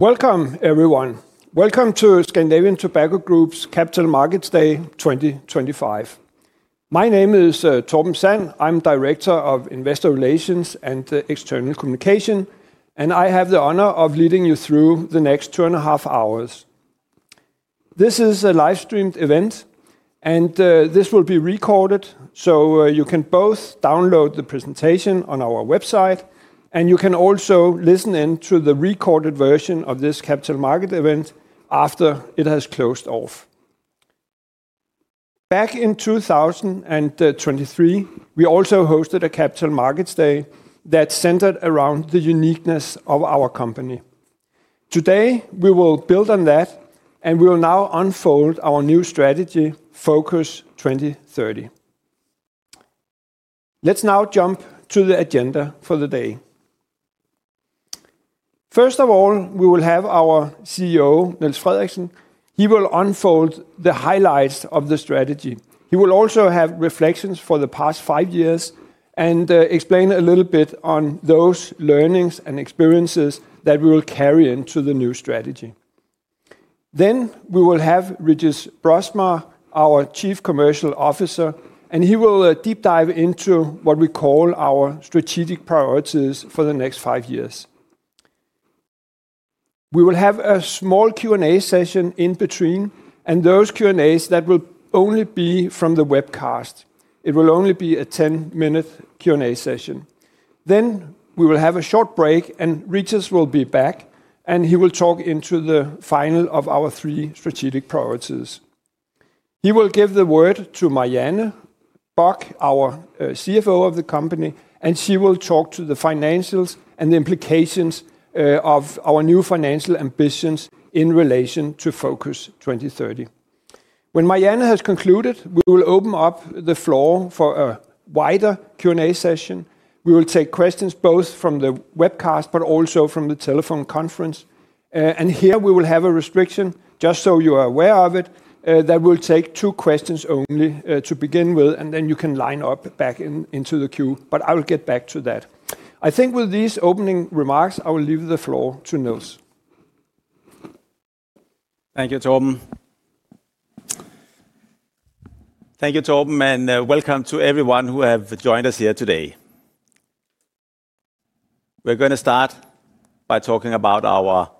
Welcome, everyone. Welcome to Scandinavian Tobacco Group's Capital Markets Day 2025. My name is Torben Sand. I'm Director of Investor Relations and External Communication, and I have the honor of leading you through the next two and a half hours. This is a live-streamed event, and this will be recorded, so you can both download the presentation on our website, and you can also listen in to the recorded version of this Capital Markets event after it has closed off. Back in 2023, we also hosted a Capital Markets Day that centered around the uniqueness of our company. Today, we will build on that, and we will now unfold our new strategy, Focus 2030. Let's now jump to the agenda for the day. First of all, we will have our CEO, Niels Frederiksen. He will unfold the highlights of the strategy. He will also have reflections for the past five years and explain a little bit on those learnings and experiences that we will carry into the new strategy. We will have Régis Broersma, our Chief Commercial Officer, and he will deep dive into what we call our strategic priorities for the next five years. We will have a small Q&A session in between, and those Q&As will only be from the webcast. It will only be a 10-minute Q&A session. We will have a short break, and Régis will be back, and he will talk into the final of our three strategic priorities. He will give the word to Marianne Bock, our CFO of the company, and she will talk to the financials and the implications of our new financial ambitions in relation to Focus 2030. When Marianne has concluded, we will open up the floor for a wider Q&A session. We will take questions both from the webcast but also from the telephone conference. Here, we will have a restriction, just so you are aware of it, that we'll take two questions only to begin with, and then you can line up back into the queue, but I will get back to that. I think with these opening remarks, I will leave the floor to Niels. Thank you, Torben. Thank you, Torben, and welcome to everyone who has joined us here today. We're going to start by talking about our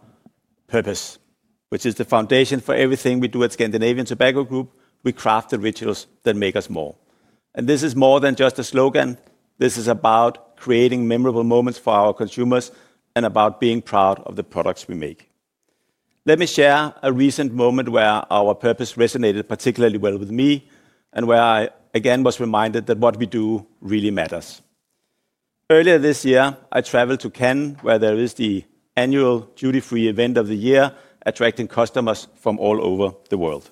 purpose, which is the foundation for everything we do at Scandinavian Tobacco Group. We craft the rituals that make us more. This is more than just a slogan. This is about creating memorable moments for our consumers and about being proud of the products we make. Let me share a recent moment where our purpose resonated particularly well with me and where I, again, was reminded that what we do really matters. Earlier this year, I traveled to Cannes, where there is the annual duty-free event of the year, attracting customers from all over the world.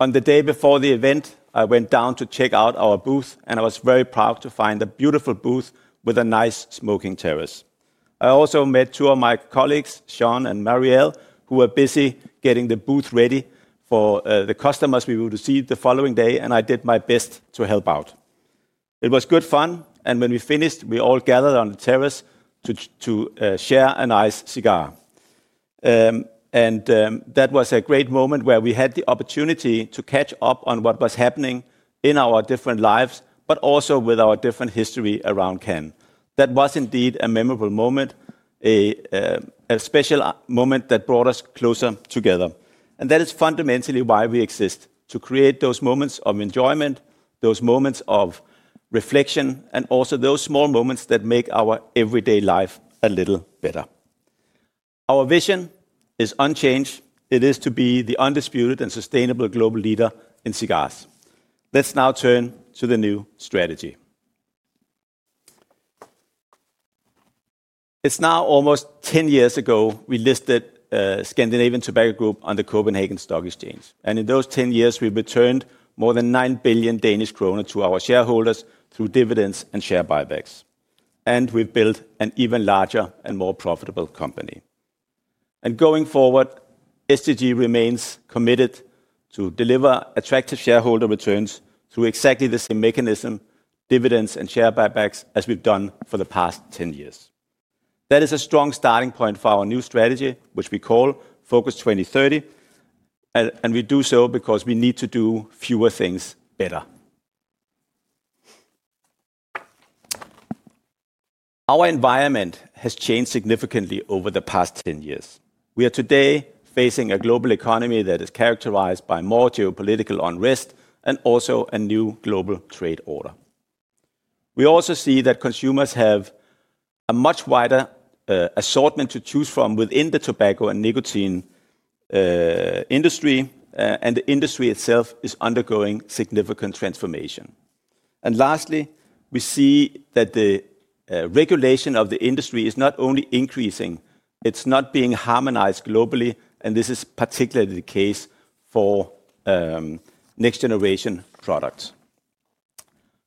On the day before the event, I went down to check out our booth, and I was very proud to find a beautiful booth with a nice smoking terrace. I also met two of my colleagues, Sean and Marianne, who were busy getting the booth ready for the customers we would receive the following day, and I did my best to help out. It was good fun, and when we finished, we all gathered on the terrace to share a nice cigar. That was a great moment where we had the opportunity to catch up on what was happening in our different lives, but also with our different history around Cannes. That was indeed a memorable moment, a special moment that brought us closer together. That is fundamentally why we exist, to create those moments of enjoyment, those moments of reflection, and also those small moments that make our everyday life a little better. Our vision is unchanged. It is to be the undisputed and sustainable global leader in cigars. Let's now turn to the new strategy. is now almost 10 years ago we listed Scandinavian Tobacco Group on the Copenhagen Stock Exchange. In those 10 years, we returned more than 9 billion Danish kroner to our shareholders through dividends and share buybacks. We have built an even larger and more profitable company. Going forward, STG remains committed to deliver attractive shareholder returns through exactly the same mechanism, dividends and share buybacks, as we have done for the past 10 years. That is a strong starting point for our new strategy, which we call Focus 2030. We do so because we need to do fewer things better. Our environment has changed significantly over the past 10 years. We are today facing a global economy that is characterized by more geopolitical unrest and also a new global trade order. We also see that consumers have a much wider assortment to choose from within the tobacco and nicotine industry, and the industry itself is undergoing significant transformation. Lastly, we see that the regulation of the industry is not only increasing, it is not being harmonized globally, and this is particularly the case for next-generation products.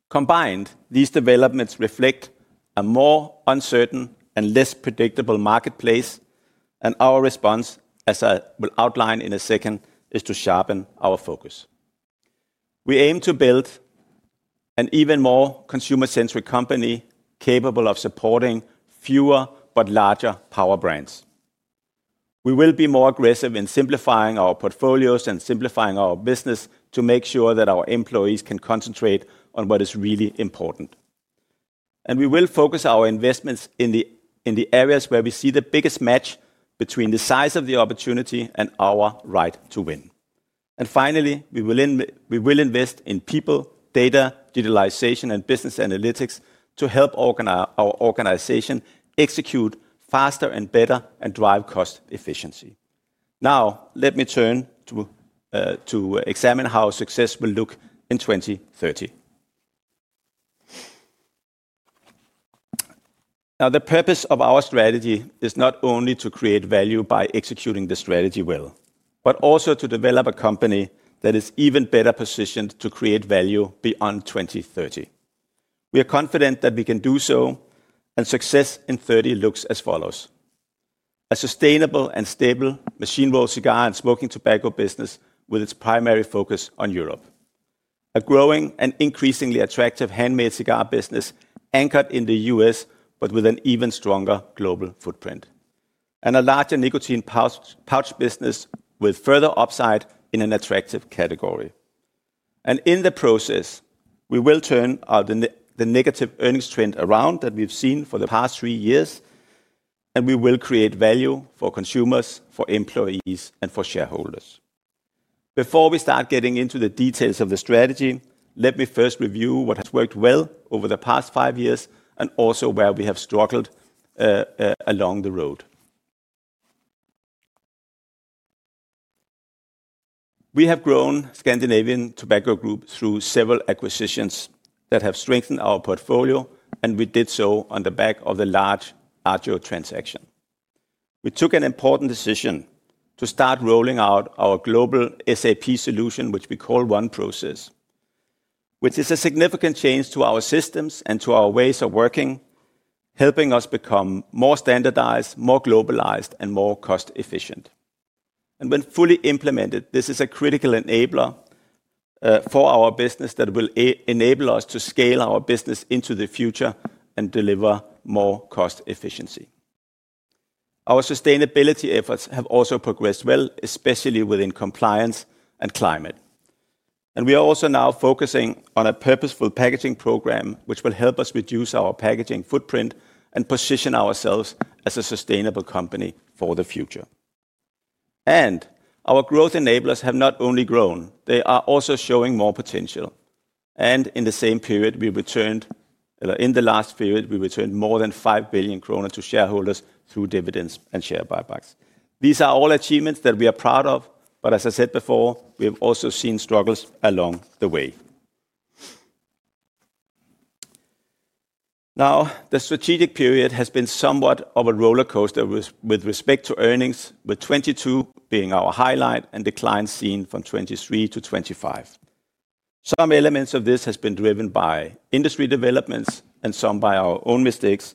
Combined, these developments reflect a more uncertain and less predictable marketplace, and our response, as I will outline in a second, is to sharpen our focus. We aim to build an even more consumer-centric company capable of supporting fewer but larger power brands. We will be more aggressive in simplifying our portfolios and simplifying our business to make sure that our employees can concentrate on what is really important. We will focus our investments in the areas where we see the biggest match between the size of the opportunity and our right to win. Finally, we will invest in people, data, digitalization, and business analytics to help our organization execute faster and better and drive cost efficiency. Now, let me turn to examine how success will look in 2030. The purpose of our strategy is not only to create value by executing the strategy well, but also to develop a company that is even better positioned to create value beyond 2030. We are confident that we can do so, and success in 2030 looks as follows: a sustainable and stable machine-rolled cigar and smoking tobacco business with its primary focus on Europe, a growing and increasingly attractive handmade cigar business anchored in the U.S., but with an even stronger global footprint, and a larger nicotine pouch business with further upside in an attractive category. In the process, we will turn the negative earnings trend around that we've seen for the past three years, and we will create value for consumers, for employees, and for shareholders. Before we start getting into the details of the strategy, let me first review what has worked well over the past five years and also where we have struggled along the road. We have grown Scandinavian Tobacco Group through several acquisitions that have strengthened our portfolio, and we did so on the back of the large RGO transaction. We took an important decision to start rolling out our global SAP solution, which we call One Process, which is a significant change to our systems and to our ways of working, helping us become more standardized, more globalized, and more cost-efficient. When fully implemented, this is a critical enabler for our business that will enable us to scale our business into the future and deliver more cost efficiency. Our sustainability efforts have also progressed well, especially within compliance and climate. We are also now focusing on a purposeful packaging program, which will help us reduce our packaging footprint and position ourselves as a sustainable company for the future. Our growth enablers have not only grown, they are also showing more potential. In the last period, we returned more than 5 billion kroner to shareholders through dividends and share buybacks. These are all achievements that we are proud of, but as I said before, we have also seen struggles along the way. Now, the strategic period has been somewhat of a roller coaster with respect to earnings, with 2022 being our highlight and declines seen from 2023 to 2025. Some elements of this have been driven by industry developments and some by our own mistakes,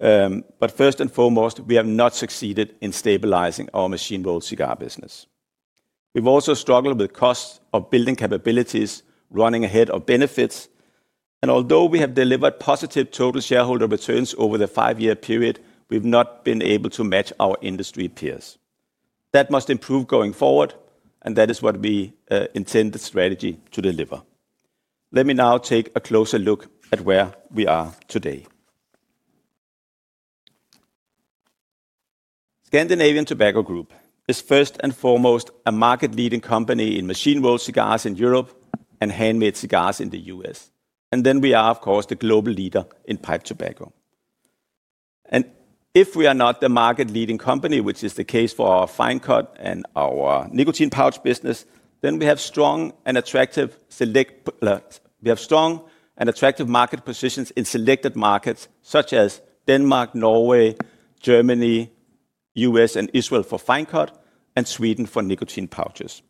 but first and foremost, we have not succeeded in stabilizing our machine-rolled cigar business. We've also struggled with costs of building capabilities, running ahead of benefits, and although we have delivered positive total shareholder returns over the five-year period, we've not been able to match our industry peers. That must improve going forward, and that is what we intend the strategy to deliver. Let me now take a closer look at where we are today. Scandinavian Tobacco Group is first and foremost a market-leading company in machine-rolled cigars in Europe and handmade cigars in the U.S.. We are, of course, the global leader in pipe tobacco. If we are not the market-leading company, which is the case for our fine cut and our nicotine pouch business, then we have strong and attractive market positions in selected markets such as Denmark, Norway, Germany, U.S., and Israel for fine cut, and Sweden for nicotine pouches.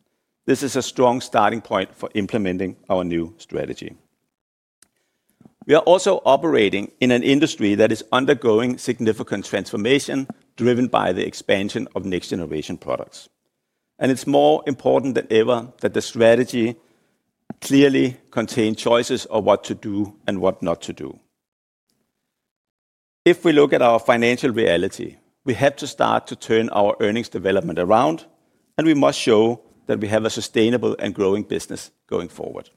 This is a strong starting point for implementing our new strategy. We are also operating in an industry that is undergoing significant transformation driven by the expansion of next-generation products. It is more important than ever that the strategy clearly contains choices of what to do and what not to do. If we look at our financial reality, we have to start to turn our earnings development around, and we must show that we have a sustainable and growing business going forward.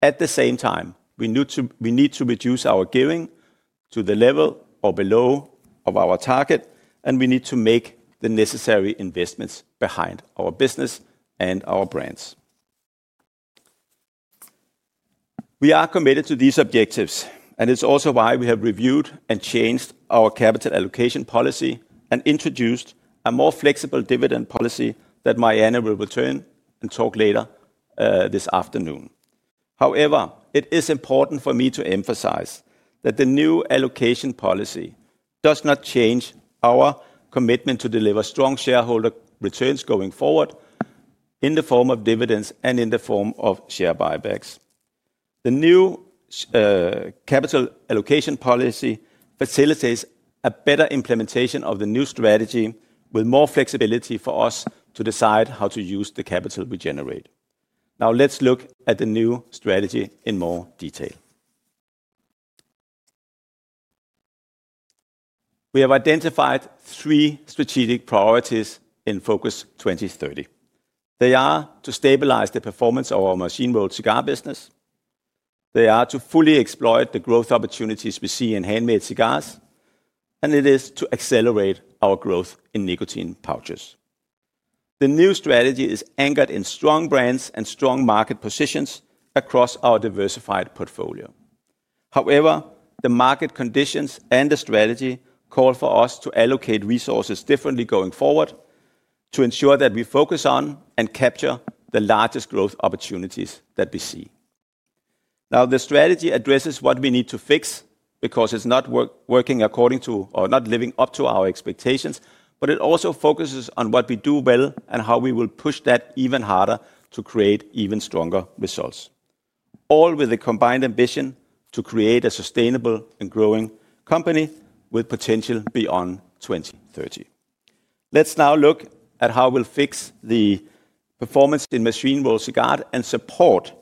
At the same time, we need to reduce our gearing to the level or below of our target, and we need to make the necessary investments behind our business and our brands. We are committed to these objectives, and it's also why we have reviewed and changed our capital allocation policy and introduced a more flexible dividend policy that Marianne will return and talk later this afternoon. However, it is important for me to emphasize that the new allocation policy does not change our commitment to deliver strong shareholder returns going forward in the form of dividends and in the form of share buybacks. The new capital allocation policy facilitates a better implementation of the new strategy with more flexibility for us to decide how to use the capital we generate. Now, let's look at the new strategy in more detail. We have identified three strategic priorities in Focus 2030. They are to stabilize the performance of our machine-rolled cigar business. They are to fully exploit the growth opportunities we see in handmade cigars, and it is to accelerate our growth in nicotine pouches. The new strategy is anchored in strong brands and strong market positions across our diversified portfolio. However, the market conditions and the strategy call for us to allocate resources differently going forward to ensure that we focus on and capture the largest growth opportunities that we see. Now, the strategy addresses what we need to fix because it's not working according to or not living up to our expectations, but it also focuses on what we do well and how we will push that even harder to create even stronger results, all with a combined ambition to create a sustainable and growing company with potential beyond 2030. Let's now look at how we'll fix the performance in machine-rolled cigar and support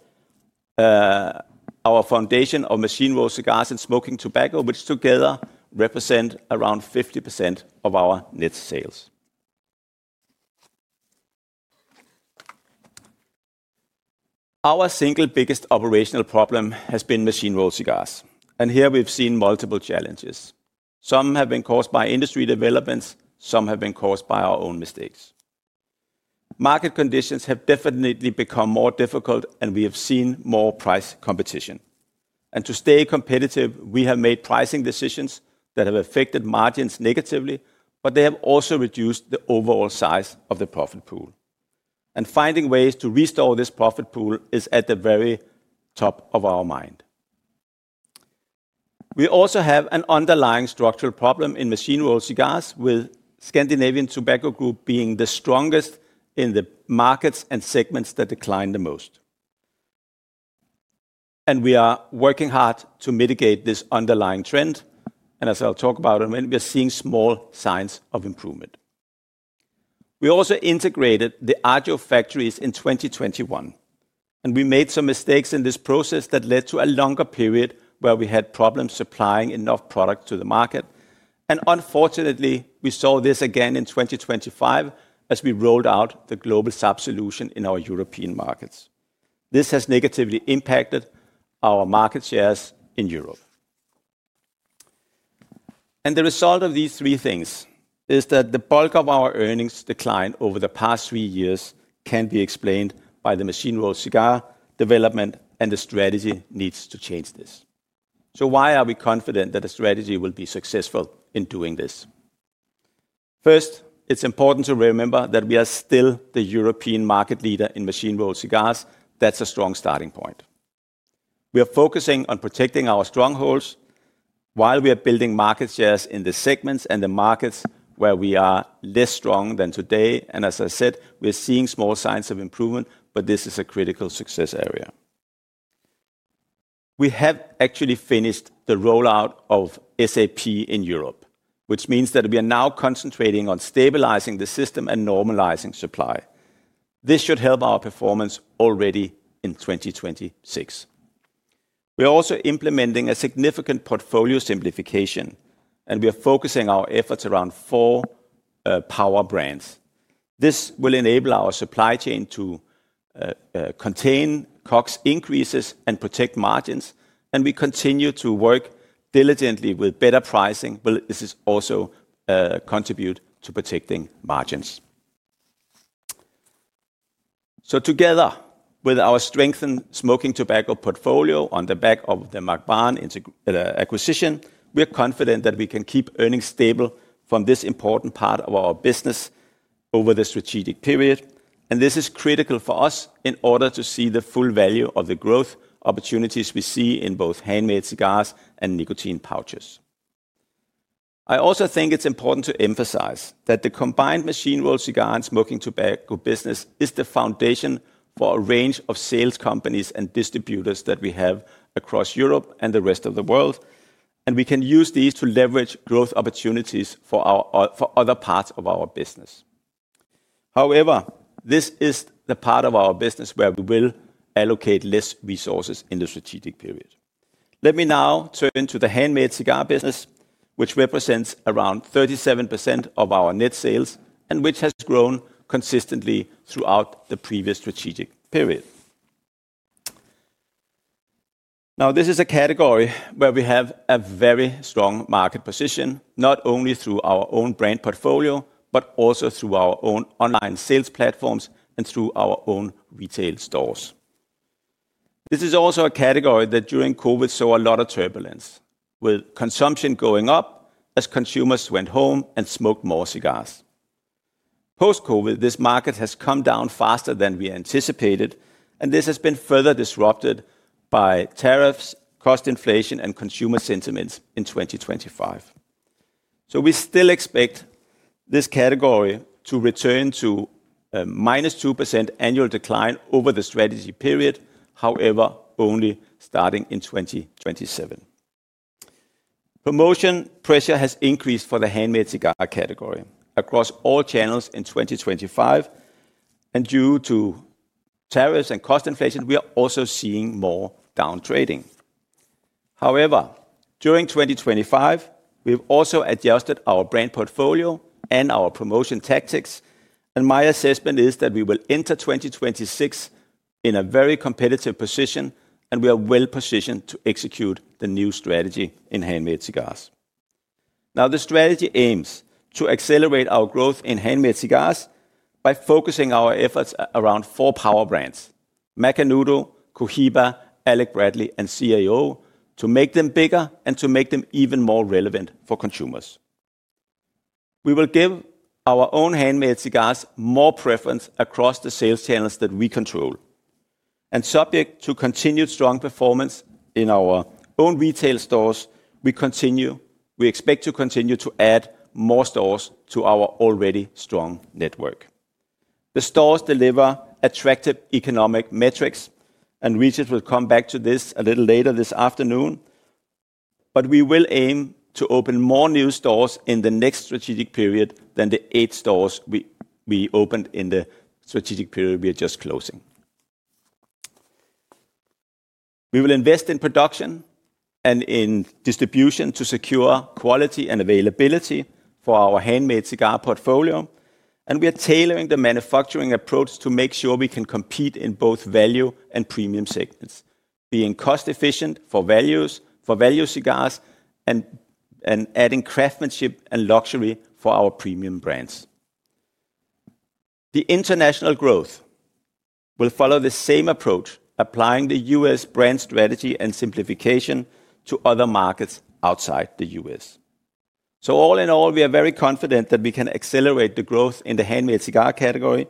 our foundation of machine-rolled cigars and smoking tobacco, which together represent around 50% of our net sales. Our single biggest operational problem has been machine-rolled cigars, and here we've seen multiple challenges. Some have been caused by industry developments, some have been caused by our own mistakes. Market conditions have definitely become more difficult, and we have seen more price competition. To stay competitive, we have made pricing decisions that have affected margins negatively, but they have also reduced the overall size of the profit pool. Finding ways to restore this profit pool is at the very top of our mind. We also have an underlying structural problem in machine-rolled cigars, with Scandinavian Tobacco Group being the strongest in the markets and segments that decline the most. We are working hard to mitigate this underlying trend, and as I'll talk about it, we are seeing small signs of improvement. We also integrated the RGO factories in 2021, and we made some mistakes in this process that led to a longer period where we had problems supplying enough product to the market. Unfortunately, we saw this again in 2025 as we rolled out the global SAP solution in our European markets. This has negatively impacted our market shares in Europe. The result of these three things is that the bulk of our earnings decline over the past three years can be explained by the machine-rolled cigar development, and the strategy needs to change this. Why are we confident that the strategy will be successful in doing this? First, it's important to remember that we are still the European market leader in machine-rolled cigars. That's a strong starting point. We are focusing on protecting our strongholds while we are building market shares in the segments and the markets where we are less strong than today. As I said, we're seeing small signs of improvement, but this is a critical success area. We have actually finished the rollout of SAP in Europe, which means that we are now concentrating on stabilizing the system and normalizing supply. This should help our performance already in 2026. We are also implementing a significant portfolio simplification, and we are focusing our efforts around four power brands. This will enable our supply chain to contain cost increases and protect margins, and we continue to work diligently with better pricing, but this also contributes to protecting margins. Together with our strengthened smoking tobacco portfolio on the back of the Mac Baren acquisition, we are confident that we can keep earnings stable from this important part of our business over the strategic period, and this is critical for us in order to see the full value of the growth opportunities we see in both handmade cigars and nicotine pouches. I also think it's important to emphasize that the combined machine-rolled cigar and smoking tobacco business is the foundation for a range of sales companies and distributors that we have across Europe and the rest of the world, and we can use these to leverage growth opportunities for other parts of our business. However, this is the part of our business where we will allocate less resources in the strategic period. Let me now turn to the handmade cigar business, which represents around 37% of our net sales and which has grown consistently throughout the previous strategic period. Now, this is a category where we have a very strong market position, not only through our own brand portfolio, but also through our own online sales platforms and through our own retail stores. This is also a category that during COVID saw a lot of turbulence, with consumption going up as consumers went home and smoked more cigars. Post-COVID, this market has come down faster than we anticipated, and this has been further disrupted by tariffs, cost inflation, and consumer sentiment in 2025. We still expect this category to return to a -2% annual decline over the strategy period, however, only starting in 2027. Promotion pressure has increased for the handmade cigar category across all channels in 2025, and due to tariffs and cost inflation, we are also seeing more downtrading. However, during 2025, we've also adjusted our brand portfolio and our promotion tactics, and my assessment is that we will enter 2026 in a very competitive position, and we are well positioned to execute the new strategy in handmade cigars. The strategy aims to accelerate our growth in handmade cigars by focusing our efforts around four power brands: Macanudo, Cohiba, Alec Bradley, and CAO, to make them bigger and to make them even more relevant for consumers. We will give our own handmade cigars more preference across the sales channels that we control. Subject to continued strong performance in our own retail stores, we expect to continue to add more stores to our already strong network. The stores deliver attractive economic metrics, and Régis will come back to this a little later this afternoon, but we will aim to open more new stores in the next strategic period than the eight stores we opened in the strategic period we are just closing. We will invest in production and in distribution to secure quality and availability for our handmade cigar portfolio, and we are tailoring the manufacturing approach to make sure we can compete in both value and premium segments, being cost-efficient for value cigars and adding craftsmanship and luxury for our premium brands. The international growth will follow the same approach, applying the U.S. brand strategy and simplification to other markets outside the US. All in all, we are very confident that we can accelerate the growth in the handmade cigar category,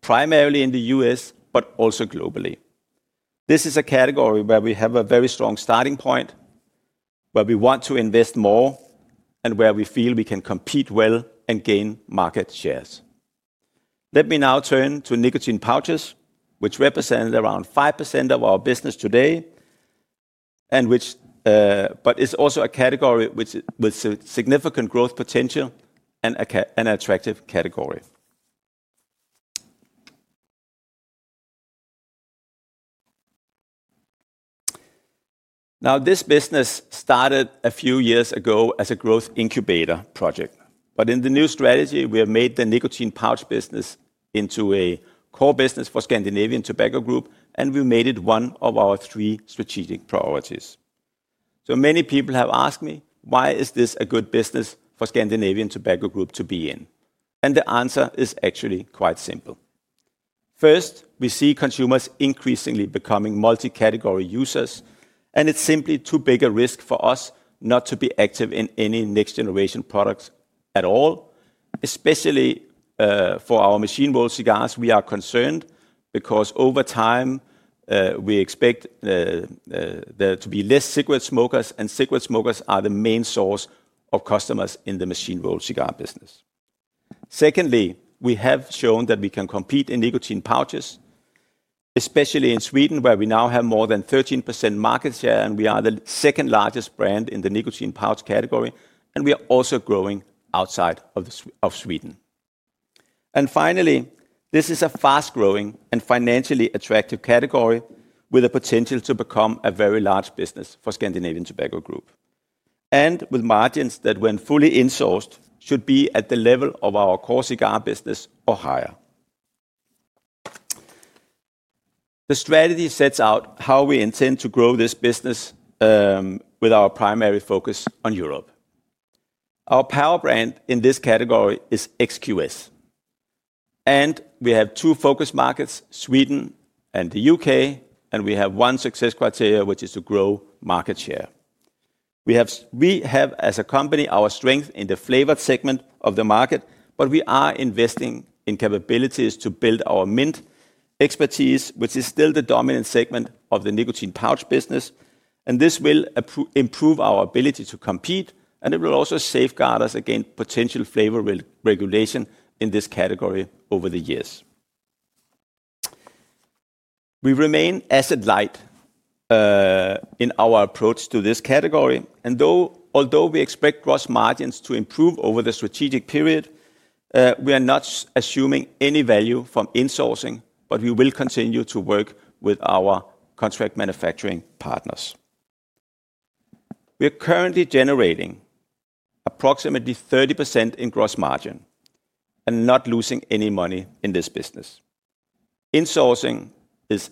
primarily in the U.S., but also globally. This is a category where we have a very strong starting point, where we want to invest more and where we feel we can compete well and gain market shares. Let me now turn to nicotine pouches, which represent around 5% of our business today, but is also a category with significant growth potential and an attractive category. Now, this business started a few years ago as a growth incubator project, but in the new strategy, we have made the nicotine pouch business into a core business for Scandinavian Tobacco Group, and we made it one of our three strategic priorities. Many people have asked me, why is this a good business for Scandinavian Tobacco Group to be in? The answer is actually quite simple. First, we see consumers increasingly becoming multi-category users, and it's simply too big a risk for us not to be active in any next-generation products at all, especially for our machine-rolled cigars. We are concerned because over time, we expect there to be fewer cigarette smokers, and cigarette smokers are the main source of customers in the machine-rolled cigar business. Secondly, we have shown that we can compete in nicotine pouches, especially in Sweden, where we now have more than 13% market share, and we are the second largest brand in the nicotine pouch category, and we are also growing outside of Sweden. Finally, this is a fast-growing and financially attractive category with the potential to become a very large business for Scandinavian Tobacco Group, and with margins that, when fully insourced, should be at the level of our core cigar business or higher. The strategy sets out how we intend to grow this business with our primary focus on Europe. Our power brand in this category is XQS, and we have two focus markets, Sweden and the U.K., and we have one success criteria, which is to grow market share. We have, as a company, our strength in the flavored segment of the market, but we are investing in capabilities to build our mint expertise, which is still the dominant segment of the nicotine pouch business, and this will improve our ability to compete, and it will also safeguard us against potential flavor regulation in this category over the years. We remain asset-light in our approach to this category, and although we expect gross margins to improve over the strategic period, we are not assuming any value from insourcing, but we will continue to work with our contract manufacturing partners. We are currently generating approximately 30% in gross margin and not losing any money in this business. Insourcing is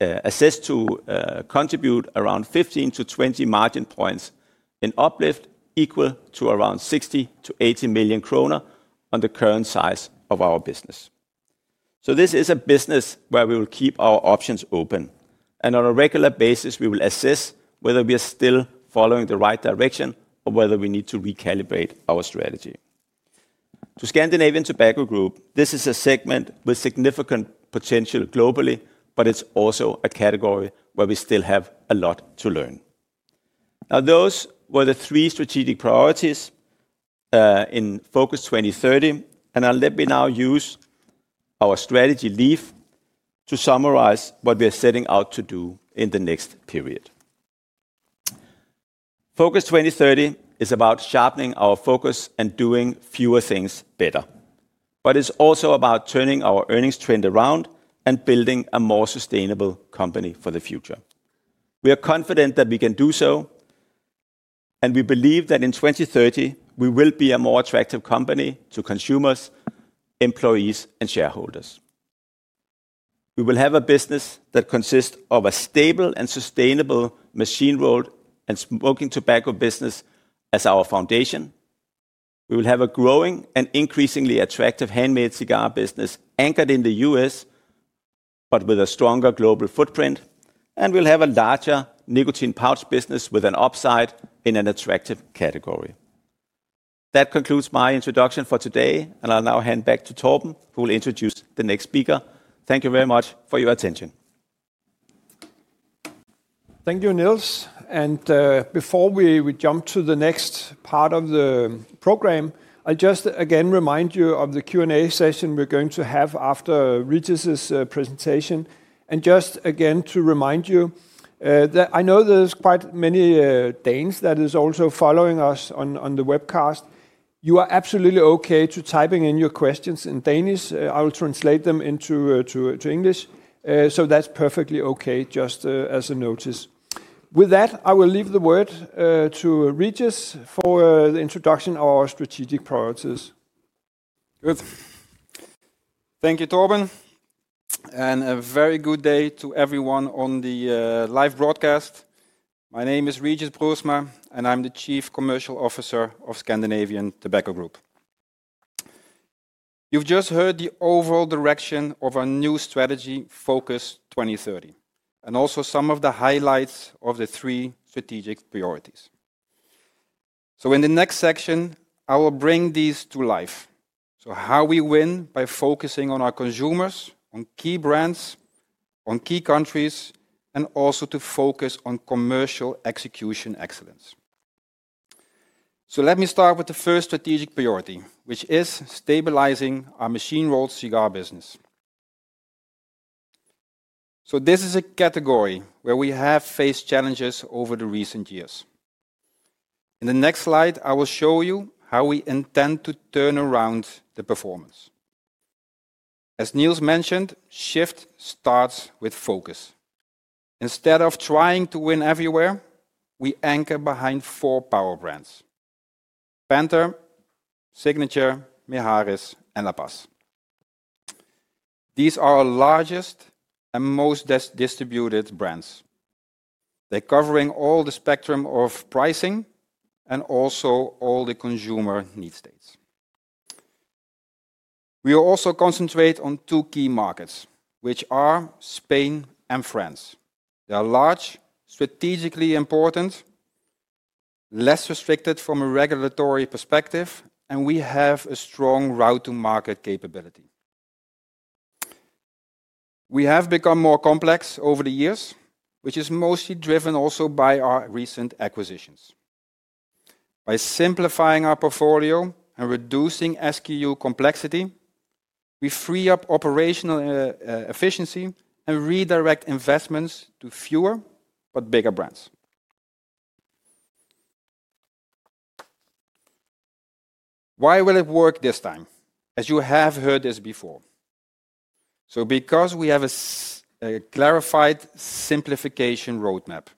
assessed to contribute around 15-20 margin points in uplift equal to around 60 million-80 million kroner on the current size of our business. This is a business where we will keep our options open, and on a regular basis, we will assess whether we are still following the right direction or whether we need to recalibrate our strategy. To Scandinavian Tobacco Group, this is a segment with significant potential globally, but it's also a category where we still have a lot to learn. Now, those were the three strategic priorities in Focus 2030, and let me now use our strategy leaf to summarize what we are setting out to do in the next period. Focus 2030 is about sharpening our focus and doing fewer things better, but it's also about turning our earnings trend around and building a more sustainable company for the future. We are confident that we can do so, and we believe that in 2030, we will be a more attractive company to consumers, employees, and shareholders. We will have a business that consists of a stable and sustainable machine-rolled and smoking tobacco business as our foundation. We will have a growing and increasingly attractive handmade cigar business anchored in the U.S., but with a stronger global footprint, and we'll have a larger nicotine pouch business with an upside in an attractive category. That concludes my introduction for today, and I'll now hand back to Torben, who will introduce the next speaker. Thank you very much for your attention. Thank you, Niels. Before we jump to the next part of the program, I'll just again remind you of the Q&A session we're going to have after Régis's presentation. Just again to remind you, I know there's quite many Danes that are also following us on the webcast. You are absolutely okay to type in your questions in Danish. I will translate them into English, so that's perfectly okay, just as a notice. With that, I will leave the word to Régis for the introduction of our strategic priorities. Good. Thank you, Torben, and a very good day to everyone on the live broadcast. My name is Régis Broersma, and I'm the Chief Commercial Officer of Scandinavian Tobacco Group. You've just heard the overall direction of our new strategy, Focus 2030, and also some of the highlights of the three strategic priorities. In the next section, I will bring these to life. How we win by focusing on our consumers, on key brands, on key countries, and also to focus on commercial execution excellence. Let me start with the first strategic priority, which is stabilizing our machine-rolled cigar business. This is a category where we have faced challenges over the recent years. In the next slide, I will show you how we intend to turn around the performance. As Niels mentioned, shift starts with focus. Instead of trying to win everywhere, we anchor behind four power brands: Panther, Signature, Mihalys, and La Paz. These are our largest and most distributed brands. They're covering all the spectrum of pricing and also all the consumer needs states. We will also concentrate on two key markets, which are Spain and France. They are large, strategically important, less restricted from a regulatory perspective, and we have a strong route-to-market capability. We have become more complex over the years, which is mostly driven also by our recent acquisitions. By simplifying our portfolio and reducing SKU complexity, we free up operational efficiency and redirect investments to fewer, but bigger brands. Why will it work this time? You have heard this before. Because we have a clarified simplification roadmap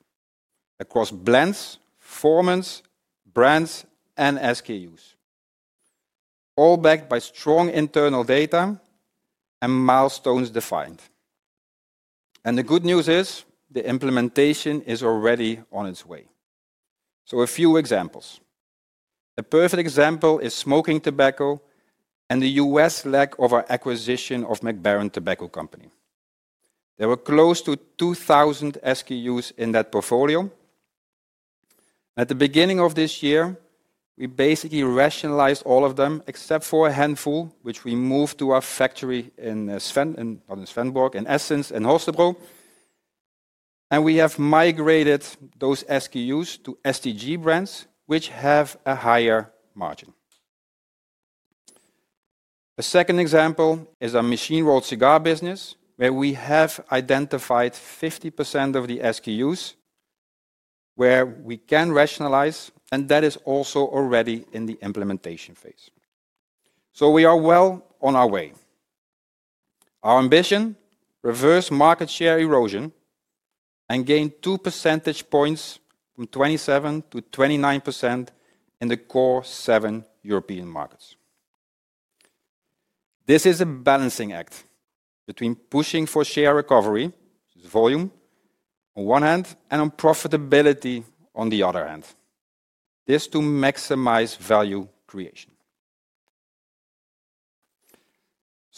across blends, formants, brands, and SKUs, all backed by strong internal data and milestones defined. The good news is the implementation is already on its way. A few examples. A perfect example is smoking tobacco and the U.S., like our acquisition of Mac Baren Tobacco Company. There were close to 2,000 SKUs in that portfolio. At the beginning of this year, we basically rationalized all of them except for a handful, which we moved to our factory in Essens and Holstebro. We have migrated those SKUs to STG brands, which have a higher margin. A second example is our machine-rolled cigar business, where we have identified 50% of the SKUs where we can rationalize, and that is also already in the implementation phase. We are well on our way. Our ambition is to reverse market share erosion and gain 2 percentage points from 27% to 29% in the core seven European markets. This is a balancing act between pushing for share recovery, which is volume on one hand, and on profitability on the other hand. This is to maximize value creation.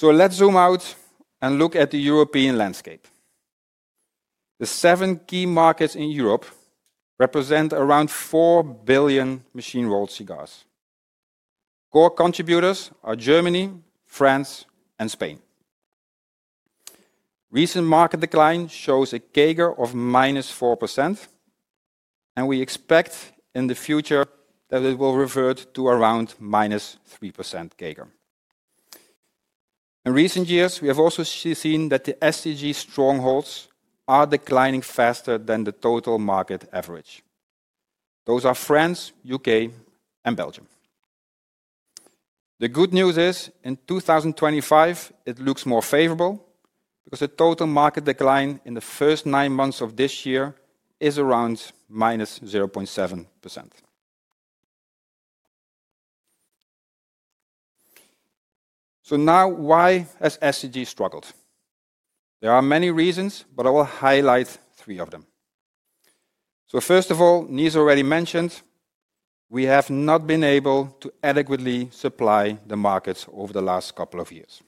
Let's zoom out and look at the European landscape. The seven key markets in Europe represent around 4 billion machine-rolled cigars. Core contributors are Germany, France, and Spain. Recent market decline shows a CAGR of -4%, and we expect in the future that it will revert to around -3% CAGR. In recent years, we have also seen that the STG strongholds are declining faster than the total market average. Those are France, U.K., and Belgium. The good news is in 2025, it looks more favorable because the total market decline in the first nine months of this year is around -0.7%. Now, why has STG struggled? There are many reasons, but I will highlight three of them. First of all, Niels already mentioned, we have not been able to adequately supply the markets over the last couple of years.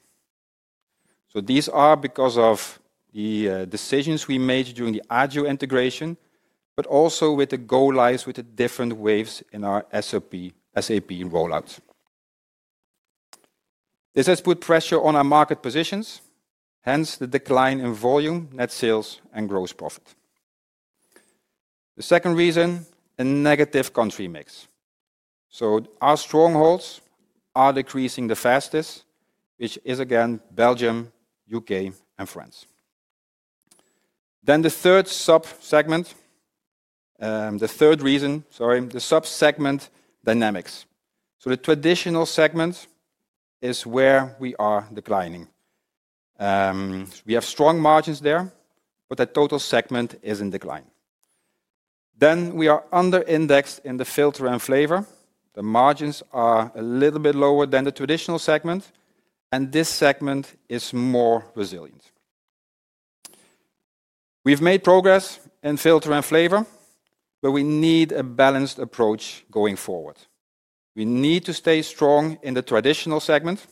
These are because of the decisions we made during the Agile integration, but also with the go lives with the different waves in our SAP rollouts. This has put pressure on our market positions, hence the decline in volume, net sales, and gross profit. The second reason is a negative country mix. Our strongholds are decreasing the fastest, which is again Belgium, U.K., and France. The third sub-segment, the third reason, sorry, the sub-segment dynamics. The traditional segment is where we are declining. We have strong margins there, but that total segment is in decline. We are under-indexed in the filter and flavor. The margins are a little bit lower than the traditional segment, and this segment is more resilient. We've made progress in filter and flavor, but we need a balanced approach going forward. We need to stay strong in the traditional segment,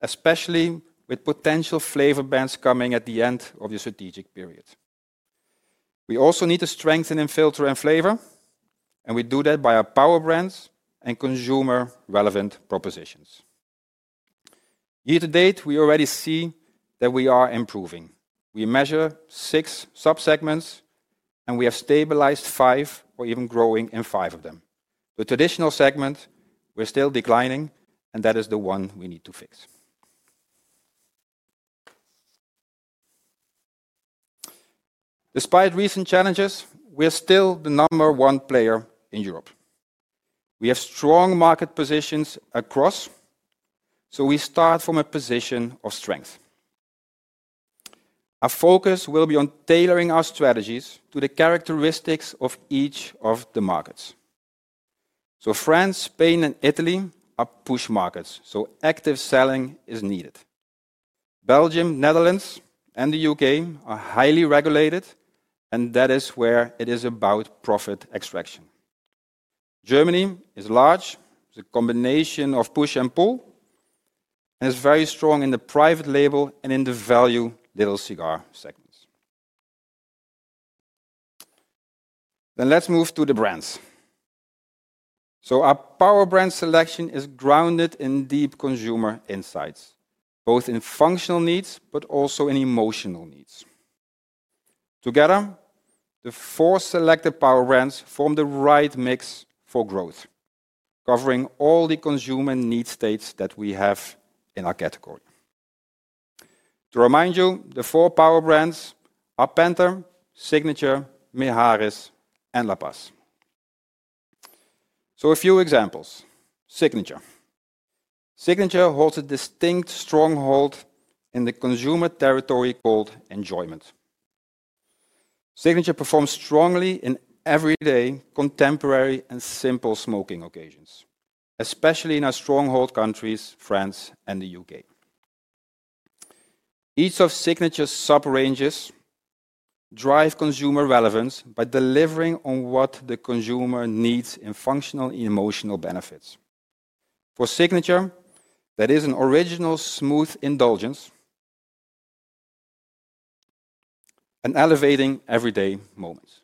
especially with potential flavor bans coming at the end of the strategic period. We also need to strengthen in filter and flavor, and we do that by our power brands and consumer-relevant propositions. Year to date, we already see that we are improving. We measure six sub-segments, and we have stabilized five or even growing in five of them. The traditional segment, we're still declining, and that is the one we need to fix. Despite recent challenges, we're still the number one player in Europe. We have strong market positions across, so we start from a position of strength. Our focus will be on tailoring our strategies to the characteristics of each of the markets. France, Spain, and Italy are push markets, so active selling is needed. Belgium, Netherlands, and the U.K. are highly regulated, and that is where it is about profit extraction. Germany is large, the combination of push and pull, and is very strong in the private label and in the value little cigar segments. Let's move to the brands. Our power brand selection is grounded in deep consumer insights, both in functional needs, but also in emotional needs. Together, the four selected power brands form the right mix for growth, covering all the consumer needs states that we have in our category. To remind you, the four power brands are Panther, Signature, Mihalys, and La Paz. A few examples. Signature. Signature holds a distinct stronghold in the consumer territory called enjoyment. Signature performs strongly in everyday, contemporary, and simple smoking occasions, especially in our stronghold countries, France, and the U.K. Each of Signature's sub-ranges drives consumer relevance by delivering on what the consumer needs in functional and emotional benefits. For Signature, that is an original smooth indulgence and elevating everyday moments.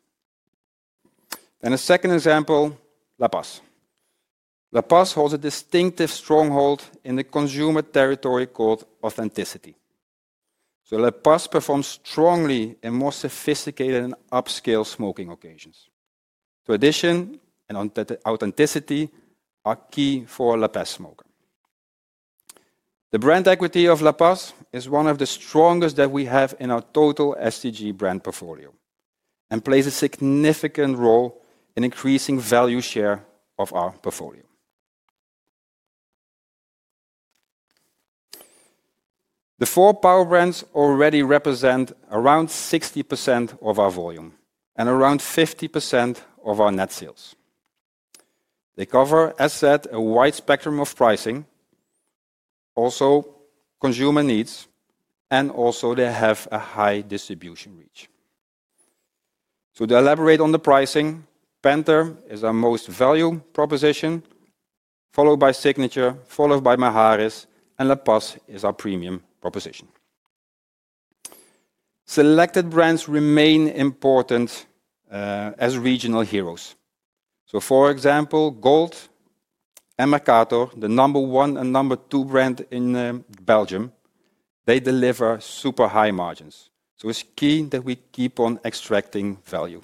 A second example, La Paz. La Paz holds a distinctive stronghold in the consumer territory called authenticity. La Paz performs strongly in more sophisticated and upscale smoking occasions. Addition and authenticity are key for a La Paz smoker. The brand equity of La Paz is one of the strongest that we have in our total STG brand portfolio and plays a significant role in increasing value share of our portfolio. The four power brands already represent around 60% of our volume and around 50% of our net sales. They cover, as said, a wide spectrum of pricing, also consumer needs, and also they have a high distribution reach. To elaborate on the pricing, Panther is our most value proposition, followed by Signature, followed by Mihalys, and La Paz is our premium proposition. Selected brands remain important as regional heroes. For example, Gold and Mercator, the number one and number two brand in Belgium, deliver super high margins. It is key that we keep on extracting value.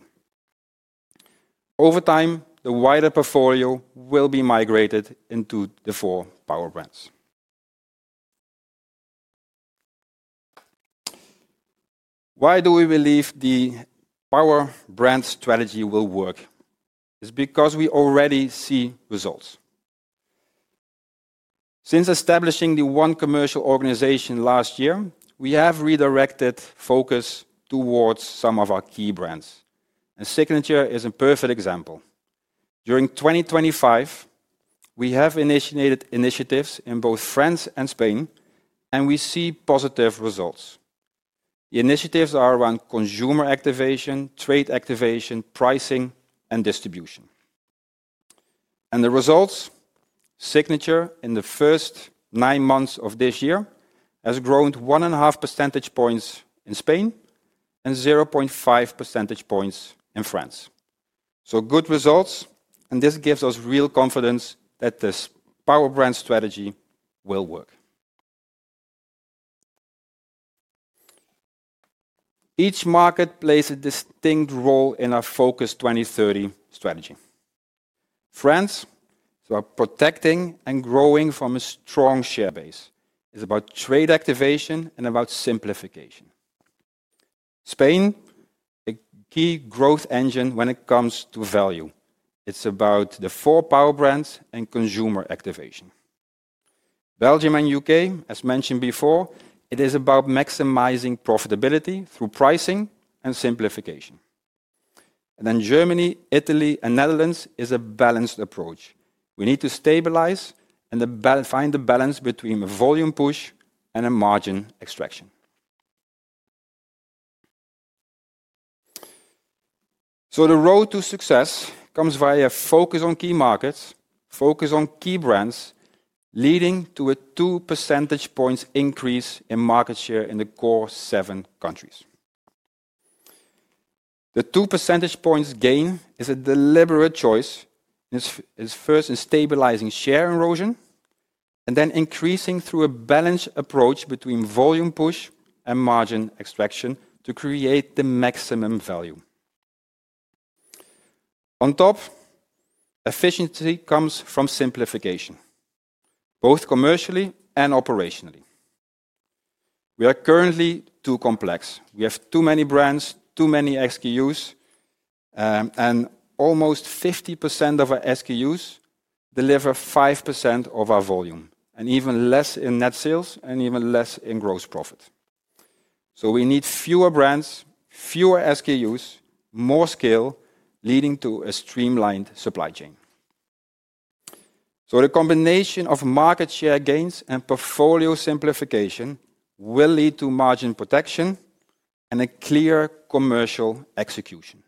Over time, the wider portfolio will be migrated into the four power brands. Why do we believe the power brand strategy will work? It is because we already see results. Since establishing the one commercial organization last year, we have redirected focus towards some of our key brands. Signature is a perfect example. During 2025, we have initiated initiatives in both France and Spain, and we see positive results. The initiatives are around consumer activation, trade activation, pricing, and distribution. The results: Signature in the first nine months of this year has grown one and a half percentage points in Spain and 0.5 percentage points in France. Good results, and this gives us real confidence that this power brand strategy will work. Each market plays a distinct role in our Focus 2030 strategy. France is about protecting and growing from a strong share base. It's about trade activation and about simplification. Spain, a key growth engine when it comes to value. It's about the four power brands and consumer activation. Belgium and U.K., as mentioned before, it is about maximizing profitability through pricing and simplification. Germany, Italy, and Netherlands is a balanced approach. We need to stabilize and find the balance between a volume push and a margin extraction. The road to success comes via focus on key markets, focus on key brands, leading to a 2 percentage points increase in market share in the core seven countries. The 2 percentage points gain is a deliberate choice, first in stabilizing share erosion, and then increasing through a balanced approach between volume push and margin extraction to create the maximum value. On top, efficiency comes from simplification, both commercially and operationally. We are currently too complex. We have too many brands, too many SKUs, and almost 50% of our SKUs deliver 5% of our volume, and even less in net sales and even less in gross profit. We need fewer brands, fewer SKUs, more scale, leading to a streamlined supply chain. The combination of market share gains and portfolio simplification will lead to margin protection and a clear commercial execution.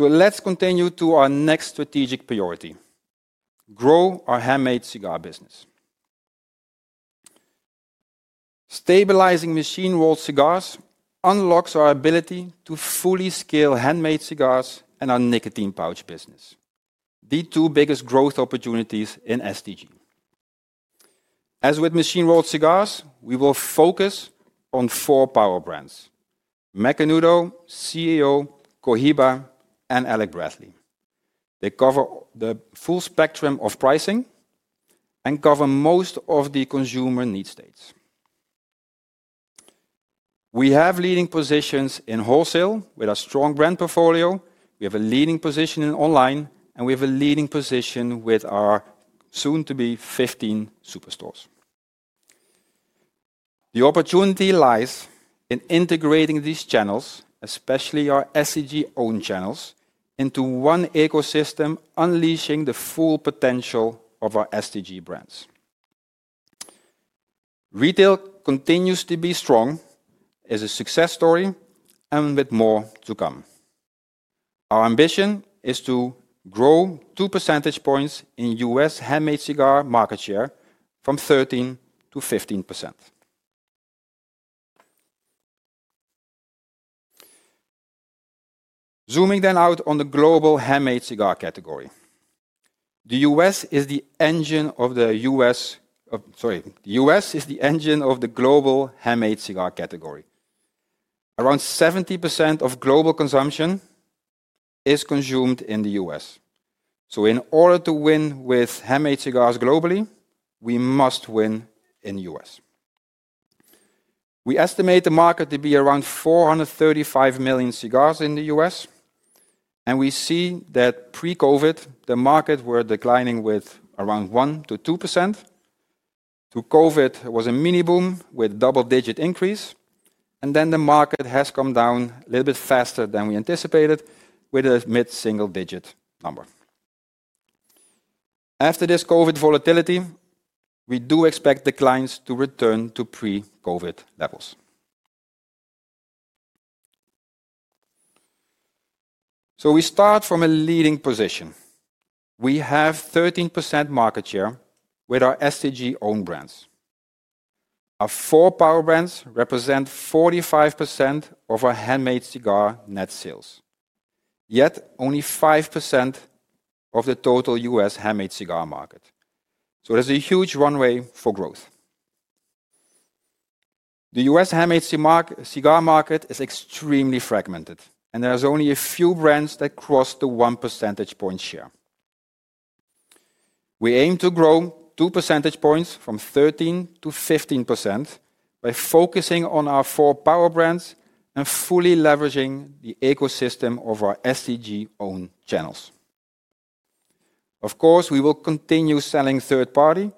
Let's continue to our next strategic priority: grow our handmade cigar business. Stabilizing machine-rolled cigars unlocks our ability to fully scale handmade cigars and our nicotine pouch business. The two biggest growth opportunities in STG. As with machine-rolled cigars, we will focus on four power brands: Macanudo, CAO, Cohiba, and Alec Bradley. They cover the full spectrum of pricing and cover most of the consumer needs states. We have leading positions in wholesale with a strong brand portfolio. We have a leading position in online, and we have a leading position with our soon-to-be 15 superstores. The opportunity lies in integrating these channels, especially our STG-owned channels, into one ecosystem, unleashing the full potential of our STG brands. Retail continues to be strong, is a success story, and with more to come. Our ambition is to grow 2 percentage points in U.S. handmade cigar market share from 13% to 15%. Zooming then out on the global handmade cigar category. The U.S. is the engine of the U.S., sorry, the U.S. is the engine of the global handmade cigar category. Around 70% of global consumption is consumed in the U.S.. In order to win with handmade cigars globally, we must win in the U.S.. We estimate the market to be around 435 million cigars in the U.S., and we see that pre-COVID, the market was declining with around 1-2%. During COVID, it was a mini boom with double-digit increase, and then the market has come down a little bit faster than we anticipated with a mid-single-digit number. After this COVID volatility, we do expect declines to return to pre-COVID levels. We start from a leading position. We have 13% market share with our STG-owned brands. Our four power brands represent 45% of our handmade cigar net sales, yet only 5% of the total U.S. handmade cigar market. There is a huge runway for growth. The U.S. handmade cigar market is extremely fragmented, and there are only a few brands that cross the 1 percentage point share. We aim to grow 2 percentage points from 13% to 15% by focusing on our four power brands and fully leveraging the ecosystem of our STG-owned channels. Of course, we will continue selling third-party,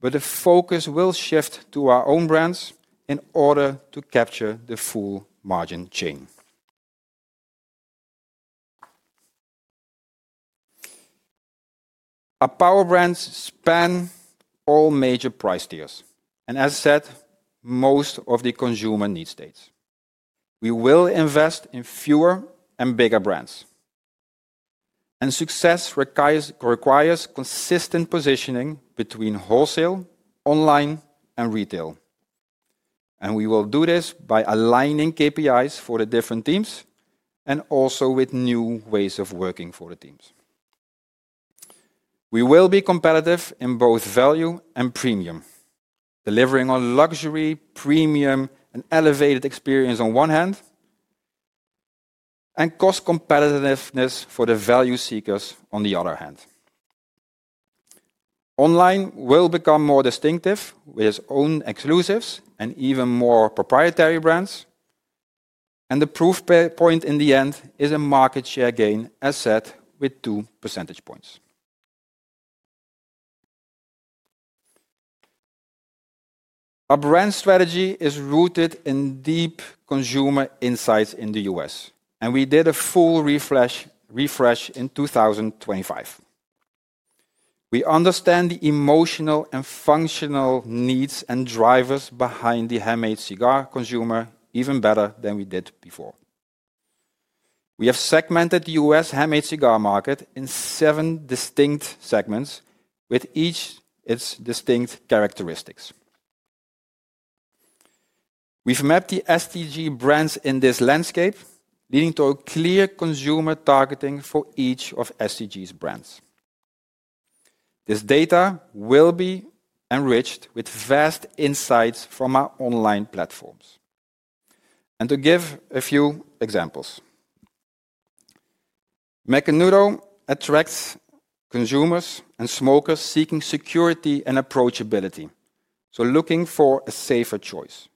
but the focus will shift to our own brands in order to capture the full margin chain. Our power brands span all major price tiers, and as said, most of the consumer needs states. We will invest in fewer and bigger brands, and success requires consistent positioning between wholesale, online, and retail. We will do this by aligning KPIs for the different teams and also with new ways of working for the teams. We will be competitive in both value and premium, delivering a luxury, premium, and elevated experience on one hand and cost competitiveness for the value seekers on the other hand. Online will become more distinctive with its own exclusives and even more proprietary brands, and the proof point in the end is a market share gain, as said, with 2 percentage points. Our brand strategy is rooted in deep consumer insights in the US, and we did a full refresh in 2025. We understand the emotional and functional needs and drivers behind the handmade cigar consumer even better than we did before. We have segmented the U.S. handmade cigar market in seven distinct segments with each its distinct characteristics. We've mapped the STG brands in this landscape, leading to a clear consumer targeting for each of STG's brands. This data will be enriched with vast insights from our online platforms. To give a few examples, Macanudo attracts consumers and smokers seeking security and approachability, so looking for a safer choice.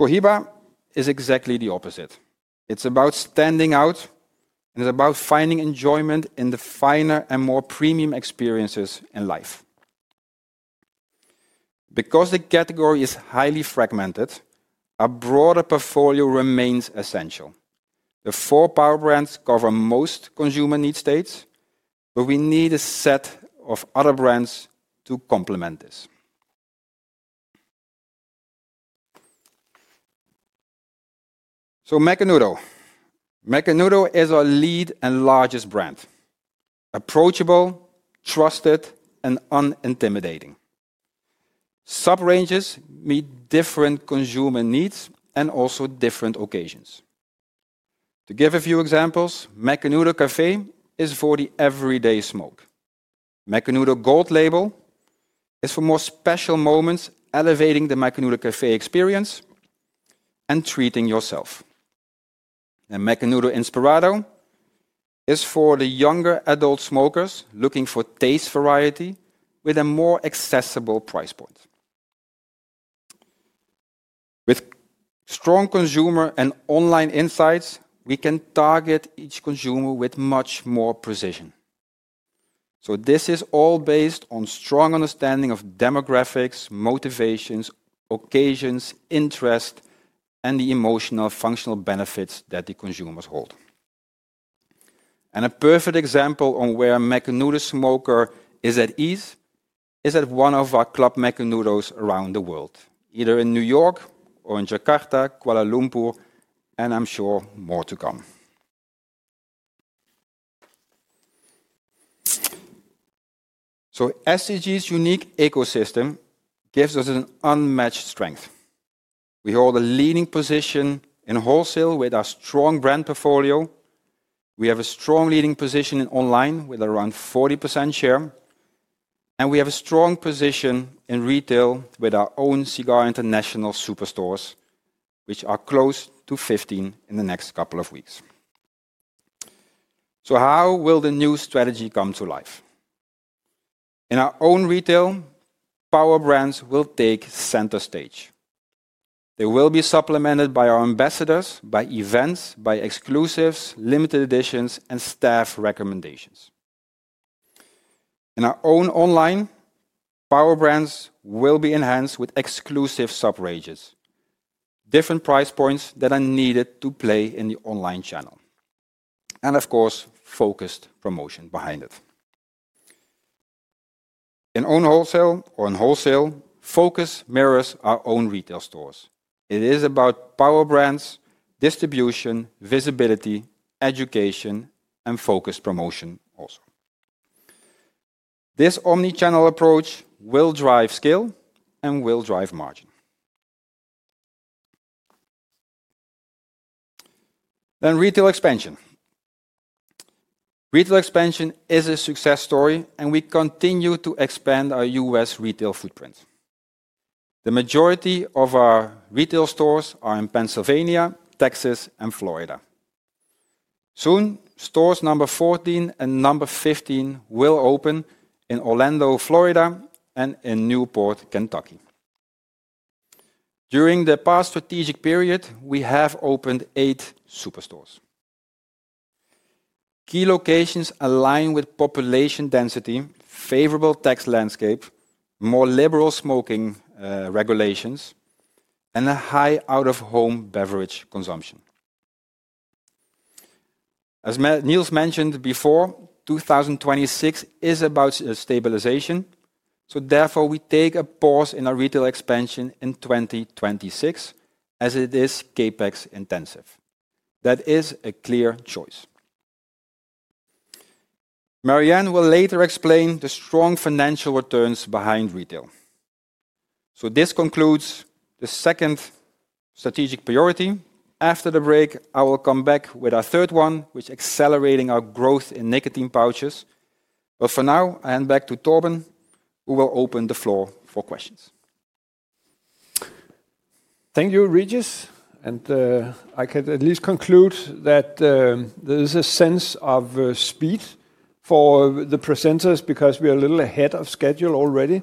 Cohiba is exactly the opposite. It's about standing out and it's about finding enjoyment in the finer and more premium experiences in life. Because the category is highly fragmented, a broader portfolio remains essential. The four power brands cover most consumer needs states, but we need a set of other brands to complement this. Macanudo. Macanudo is our lead and largest brand. Approachable, trusted, and unintimidating. Sub-ranges meet different consumer needs and also different occasions. To give a few examples, Macanudo Café is for the everyday smoke. Macanudo Gold Label is for more special moments, elevating the Macanudo Café experience and treating yourself. Macanudo Inspirado is for the younger adult smokers looking for taste variety with a more accessible price point. With strong consumer and online insights, we can target each consumer with much more precision. This is all based on strong understanding of demographics, motivations, occasions, interests, and the emotional functional benefits that the consumers hold. A perfect example on where Macanudo smoker is at ease is at one of our Club Macanudos around the world, either in New York or in Jakarta, Kuala Lumpur, and I am sure more to come. STG's unique ecosystem gives us an unmatched strength. We hold a leading position in wholesale with our strong brand portfolio. We have a strong leading position in online with around 40% share, and we have a strong position in retail with our own Cigar International Superstores, which are close to 15 in the next couple of weeks. How will the new strategy come to life? In our own retail, power brands will take center stage. They will be supplemented by our ambassadors, by events, by exclusives, limited editions, and staff recommendations. In our own online, power brands will be enhanced with exclusive sub-ranges, different price points that are needed to play in the online channel, and of course, focused promotion behind it. In own wholesale or in wholesale, focus mirrors our own retail stores. It is about power brands, distribution, visibility, education, and focused promotion also. This omnichannel approach will drive scale and will drive margin. Retail expansion is a success story, and we continue to expand our U.S. retail footprint. The majority of our retail stores are in Pennsylvania, Texas, and Florida. Soon, stores number 14 and number 15 will open in Orlando, Florida, and in Newport, Kentucky. During the past strategic period, we have opened eight superstores. Key locations align with population density, favorable tax landscape, more liberal smoking regulations, and a high out-of-home beverage consumption. As Niels mentioned before, 2026 is about stabilization, so therefore we take a pause in our retail expansion in 2026 as it is CapEx intensive. That is a clear choice. Marianne will later explain the strong financial returns behind retail. This concludes the second strategic priority. After the break, I will come back with our third one, which is accelerating our growth in nicotine pouches. For now, I hand back to Torben, who will open the floor for questions. Thank you, Régis. I can at least conclude that there is a sense of speed for the presenters because we are a little ahead of schedule already.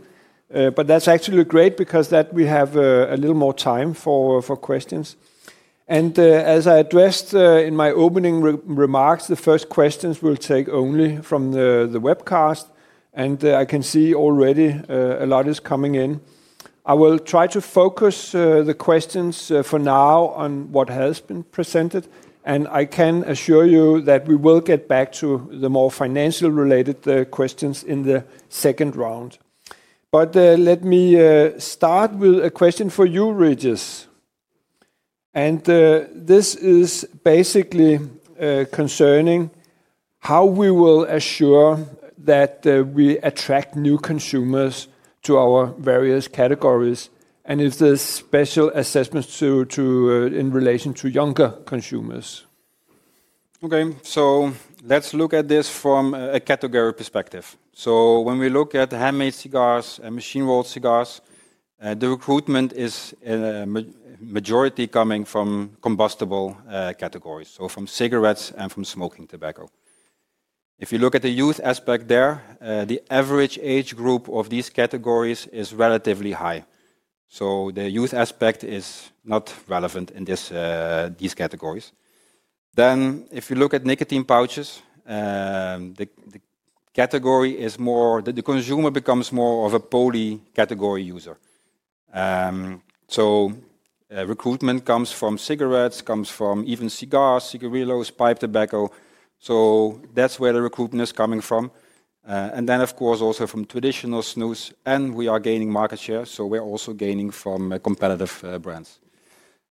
That is actually great because we have a little more time for questions. As I addressed in my opening remarks, the first questions will take only from the webcast, and I can see already a lot is coming in. I will try to focus the questions for now on what has been presented, and I can assure you that we will get back to the more financial-related questions in the second round. Let me start with a question for you, Régis. This is basically concerning how we will assure that we attract new consumers to our various categories and if there are special assessments in relation to younger consumers. Okay, let's look at this from a category perspective. When we look at handmade cigars and machine-rolled cigars, the recruitment is in a majority coming from combustible categories, so from cigarettes and from smoking tobacco. If you look at the youth aspect there, the average age group of these categories is relatively high. The youth aspect is not relevant in these categories. If you look at nicotine pouches, the category is more the consumer becomes more of a poly category user. Recruitment comes from cigarettes, comes from even cigars, cigarillos, pipe tobacco. That is where the recruitment is coming from. Of course, also from traditional snus, and we are gaining market share, so we are also gaining from competitive brands.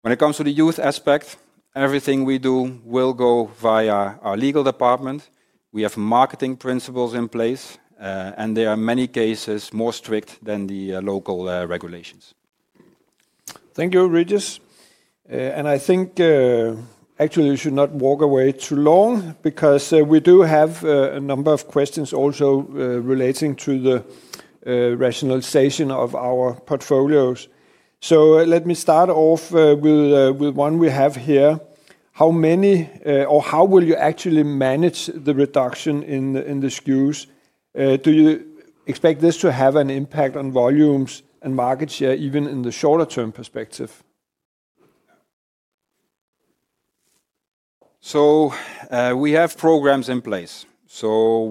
When it comes to the youth aspect, everything we do will go via our legal department. We have marketing principles in place, and there are many cases more strict than the local regulations. Thank you, Régis. I think, actually, we should not walk away too long because we do have a number of questions also relating to the rationalization of our portfolios. Let me start off with one we have here. How many, or how will you actually manage the reduction in the SKUs? Do you expect this to have an impact on volumes and market share even in the shorter-term perspective? We have programs in place.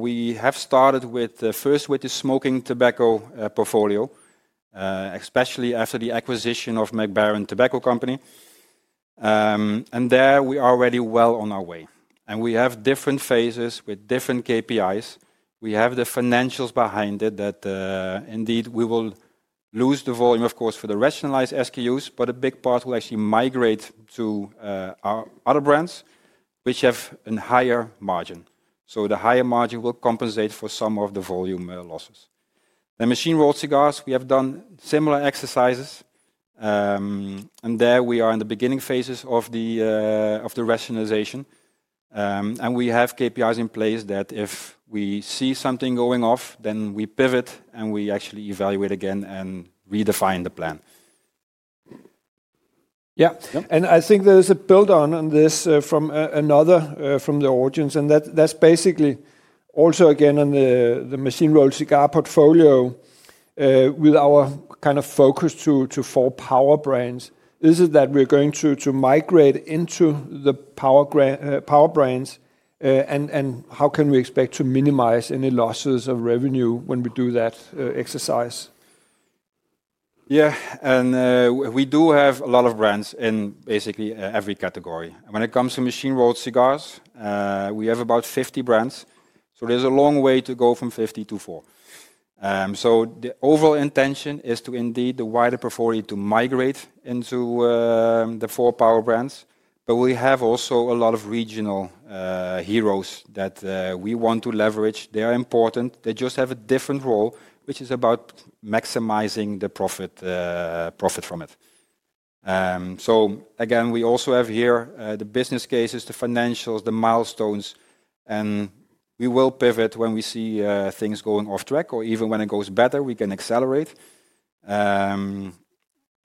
We have started with the first, which is smoking tobacco portfolio, especially after the acquisition of Mac Baren Tobacco Company. There we are already well on our way. We have different phases with different KPIs. We have the financials behind it that indeed we will lose the volume, of course, for the rationalized SKUs, but a big part will actually migrate to our other brands, which have a higher margin. The higher margin will compensate for some of the volume losses. The machine-rolled cigars, we have done similar exercises. There we are in the beginning phases of the rationalization. We have KPIs in place that if we see something going off, then we pivot and we actually evaluate again and redefine the plan. I think there is a build-on on this from another from the audience. That is basically also again on the machine-rolled cigar portfolio with our kind of focus to four power brands. Is it that we are going to migrate into the power brands? How can we expect to minimize any losses of revenue when we do that exercise? We do have a lot of brands in basically every category. When it comes to machine-rolled cigars, we have about 50 brands. There is a long way to go from 50 to 4. The overall intention is to indeed the wider portfolio to migrate into the four power brands. We have also a lot of regional heroes that we want to leverage. They are important. They just have a different role, which is about maximizing the profit from it. Again, we also have here the business cases, the financials, the milestones. We will pivot when we see things going off track or even when it goes better, we can accelerate. I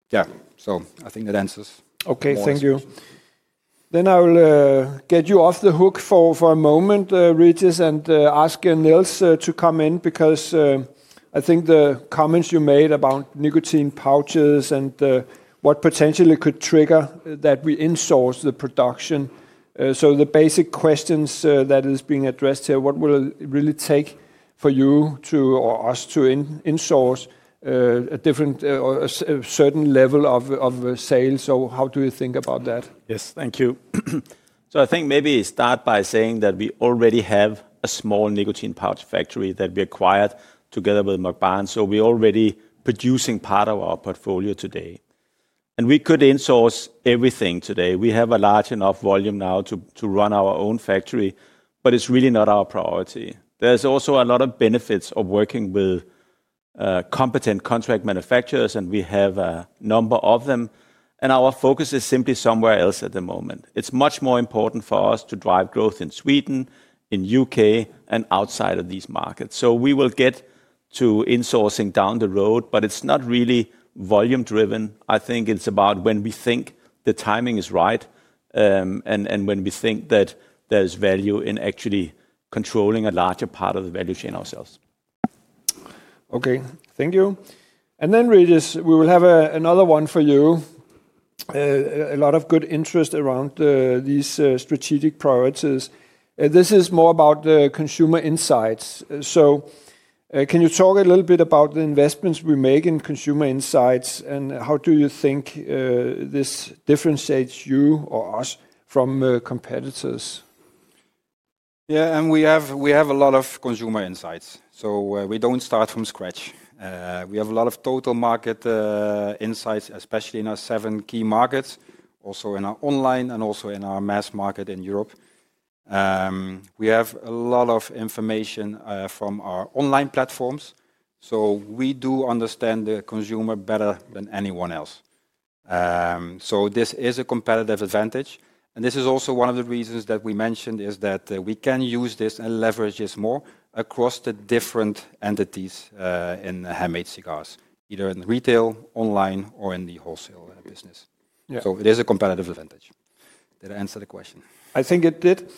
think that answers. Okay, thank you. I will get you off the hook for a moment, Régis, and ask Niels to come in because I think the comments you made about nicotine pouches and what potentially could trigger that we insource the production. The basic questions that are being addressed here, what will it really take for you or us to insource a different or a certain level of sales? How do you think about that? Yes, thank you. I think maybe start by saying that we already have a small nicotine pouch factory that we acquired together with Mac Baren. We are already producing part of our portfolio today. We could insource everything today. We have a large enough volume now to run our own factory, but it is really not our priority. There are also a lot of benefits of working with competent contract manufacturers, and we have a number of them. Our focus is simply somewhere else at the moment. It is much more important for us to drive growth in Sweden, in the U.K., and outside of these markets. We will get to insourcing down the road, but it's not really volume-driven. I think it's about when we think the timing is right and when we think that there's value in actually controlling a larger part of the value chain ourselves. Okay, thank you. Régis, we will have another one for you. A lot of good interest around these strategic priorities. This is more about the consumer insights. Can you talk a little bit about the investments we make in consumer insights? How do you think this differentiates you or us from competitors? Yeah, and we have a lot of consumer insights. We don't start from scratch. We have a lot of total market insights, especially in our seven key markets, also in our online and also in our mass market in Europe. We have a lot of information from our online platforms. We do understand the consumer better than anyone else. This is a competitive advantage. This is also one of the reasons that we mentioned is that we can use this and leverage this more across the different entities in handmade cigars, either in retail, online, or in the wholesale business. It is a competitive advantage. Did I answer the question? I think it did.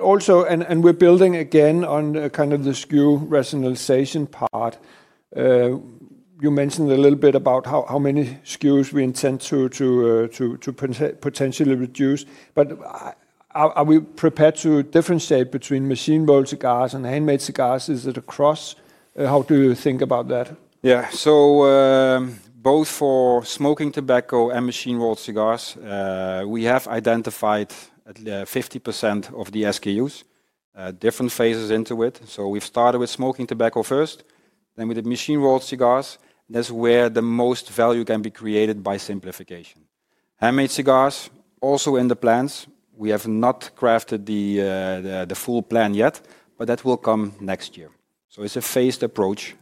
Also, we're building again on kind of the SKU rationalization part. You mentioned a little bit about how many SKUs we intend to potentially reduce. Are we prepared to differentiate between machine-rolled cigars and handmade cigars? Is it across? How do you think about that? Yeah, so both for smoking tobacco and machine-rolled cigars, we have identified 50% of the SKUs, different phases into it. We have started with smoking tobacco first, then with the machine-rolled cigars. That's where the most value can be created by simplification. Handmade cigars, also in the plants. We have not crafted the full plan yet, but that will come next year. It is a phased approach.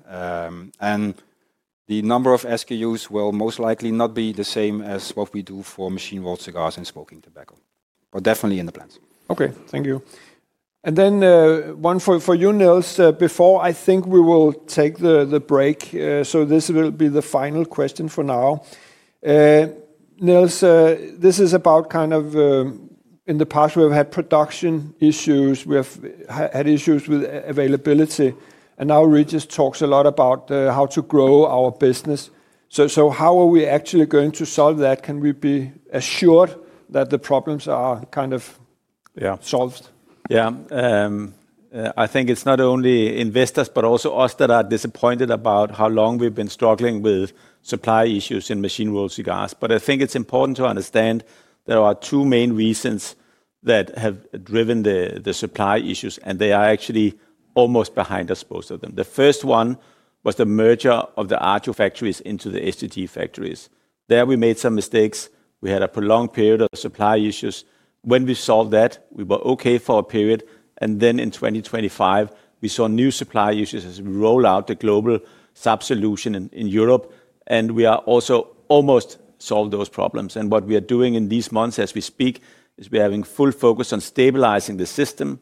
The number of SKUs will most likely not be the same as what we do for machine-rolled cigars and smoking tobacco, but definitely in the plants. Okay, thank you. One for you, Niels. Before, I think we will take the break. This will be the final question for now. Niels, this is about kind of in the past, we've had production issues. We've had issues with availability. Now Régis talks a lot about how to grow our business. How are we actually going to solve that? Can we be assured that the problems are kind of solved? Yeah, I think it's not only investors, but also us that are disappointed about how long we've been struggling with supply issues in machine-rolled cigars. I think it's important to understand there are two main reasons that have driven the supply issues, and they are actually almost behind us, both of them. The first one was the merger of the R2 factories into the STG factories. There we made some mistakes. We had a prolonged period of supply issues. When we solved that, we were okay for a period. In 2025, we saw new supply issues as we roll out the global SAP solution in Europe. We are also almost solved those problems. What we are doing in these months as we speak is we're having full focus on stabilizing the system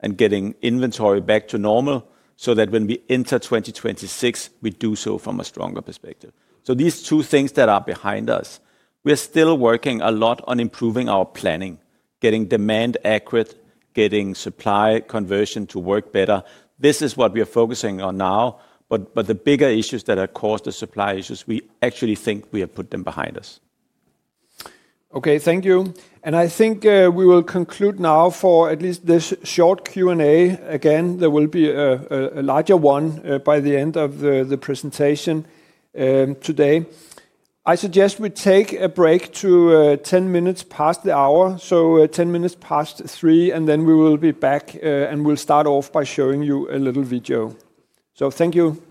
and getting inventory back to normal so that when we enter 2026, we do so from a stronger perspective. These two things that are behind us, we're still working a lot on improving our planning, getting demand accurate, getting supply conversion to work better. This is what we are focusing on now. The bigger issues that have caused the supply issues, we actually think we have put them behind us. Okay, thank you. I think we will conclude now for at least this short Q&A. Again, there will be a larger one by the end of the presentation today. I suggest we take a break to 10 minutes past the hour, so 10 minutes past 3, and then we will be back and we'll start off by showing you a little video. Thank you.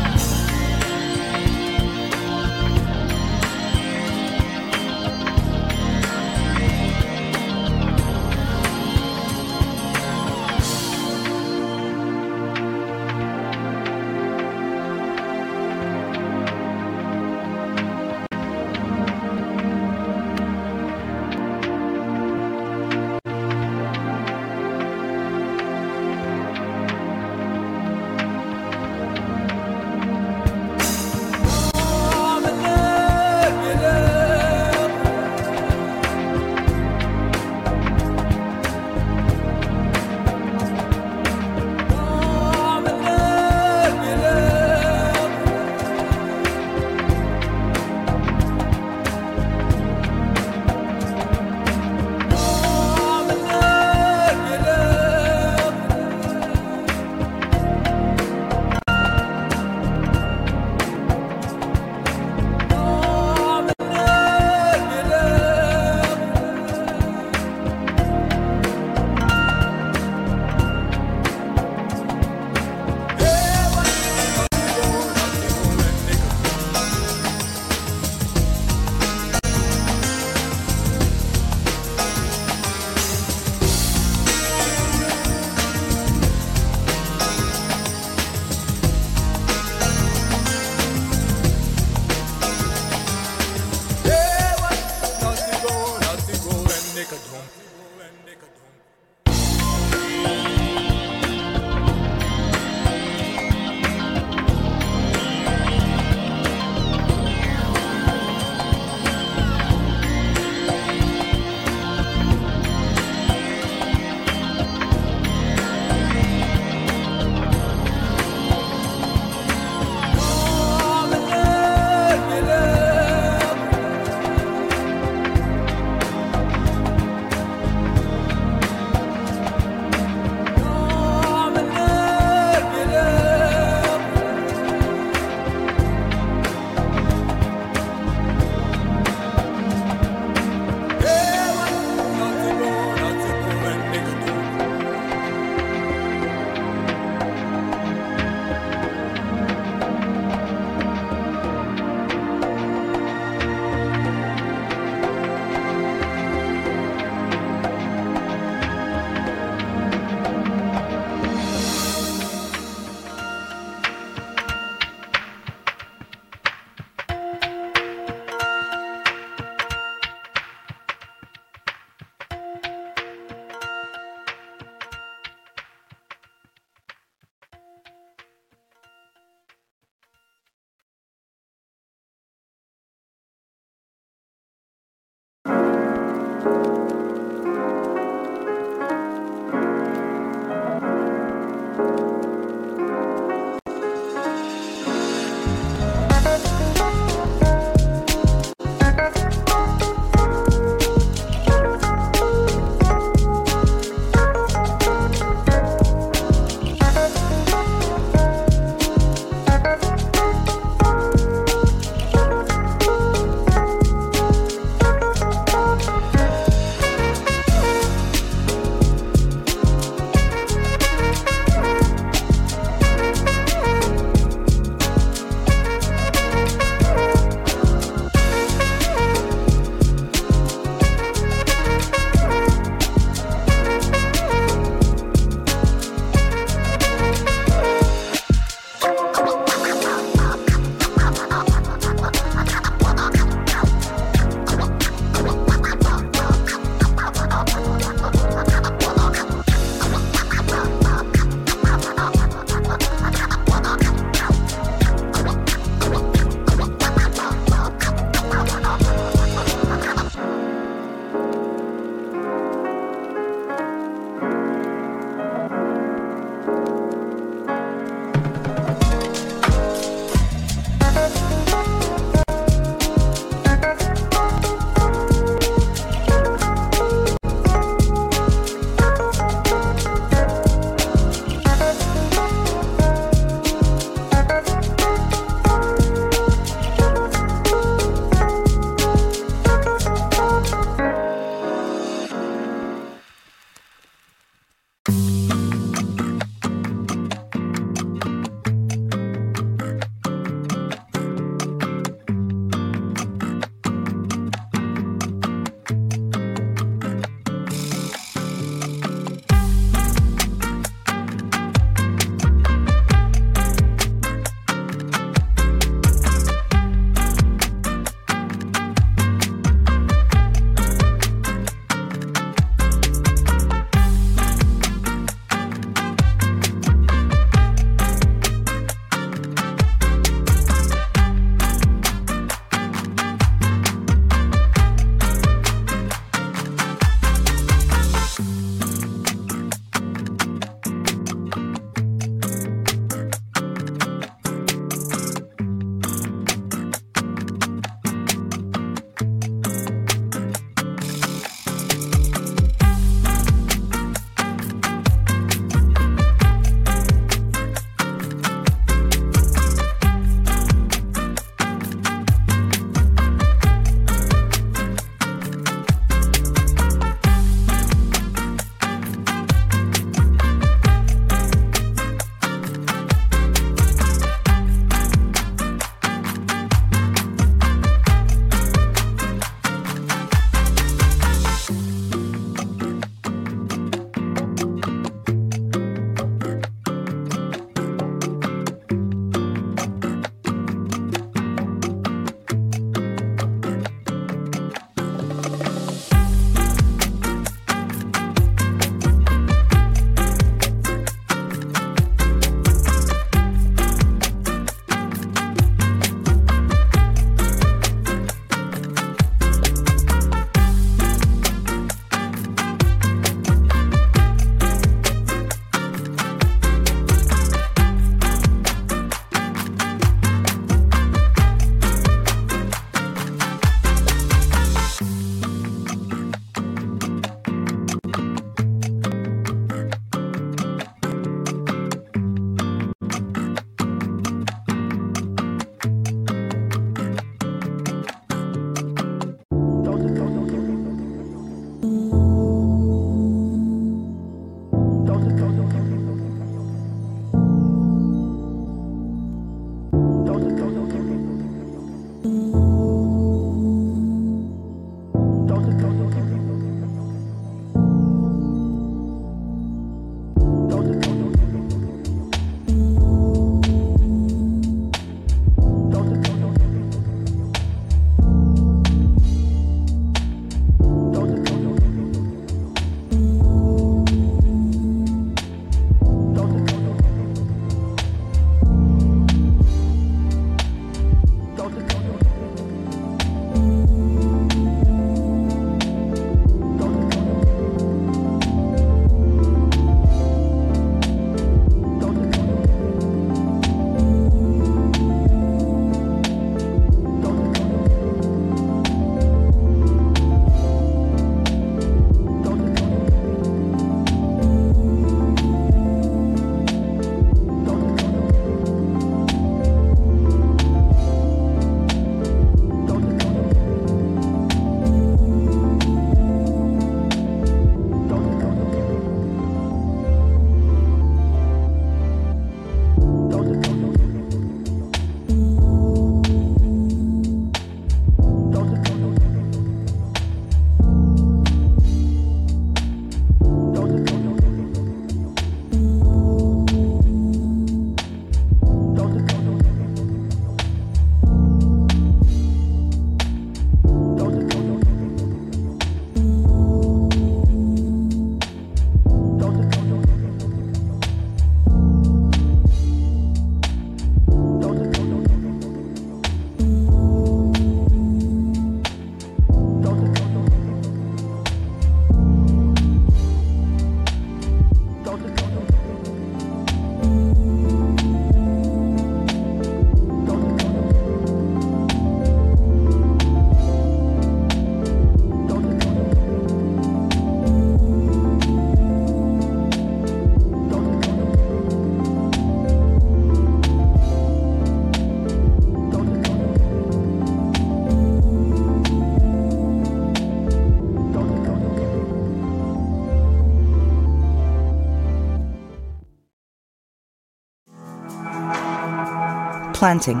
Planting.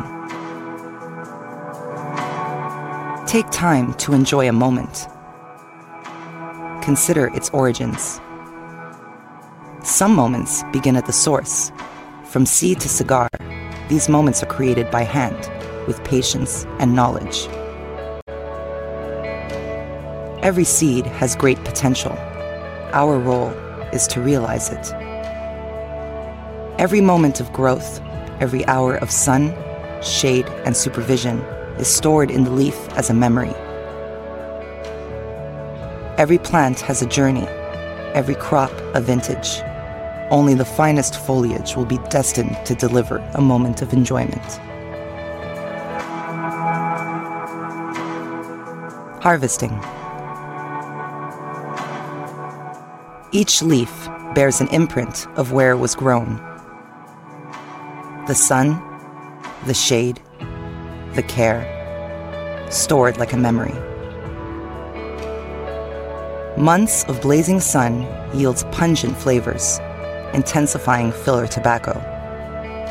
Take time to enjoy a moment. Consider its origins. Some moments begin at the source. From seed to cigar, these moments are created by hand, with patience and knowledge. Every seed has great potential. Our role is to realize it. Every moment of growth, every hour of sun, shade, and supervision is stored in the leaf as a memory. Every plant has a journey. Every crop a vintage. Only the finest foliage will be destined to deliver a moment of enjoyment. Harvesting. Each leaf bears an imprint of where it was grown. The sun, the shade, the care, stored like a memory. Months of blazing sun yields pungent flavors, intensifying filler tobacco,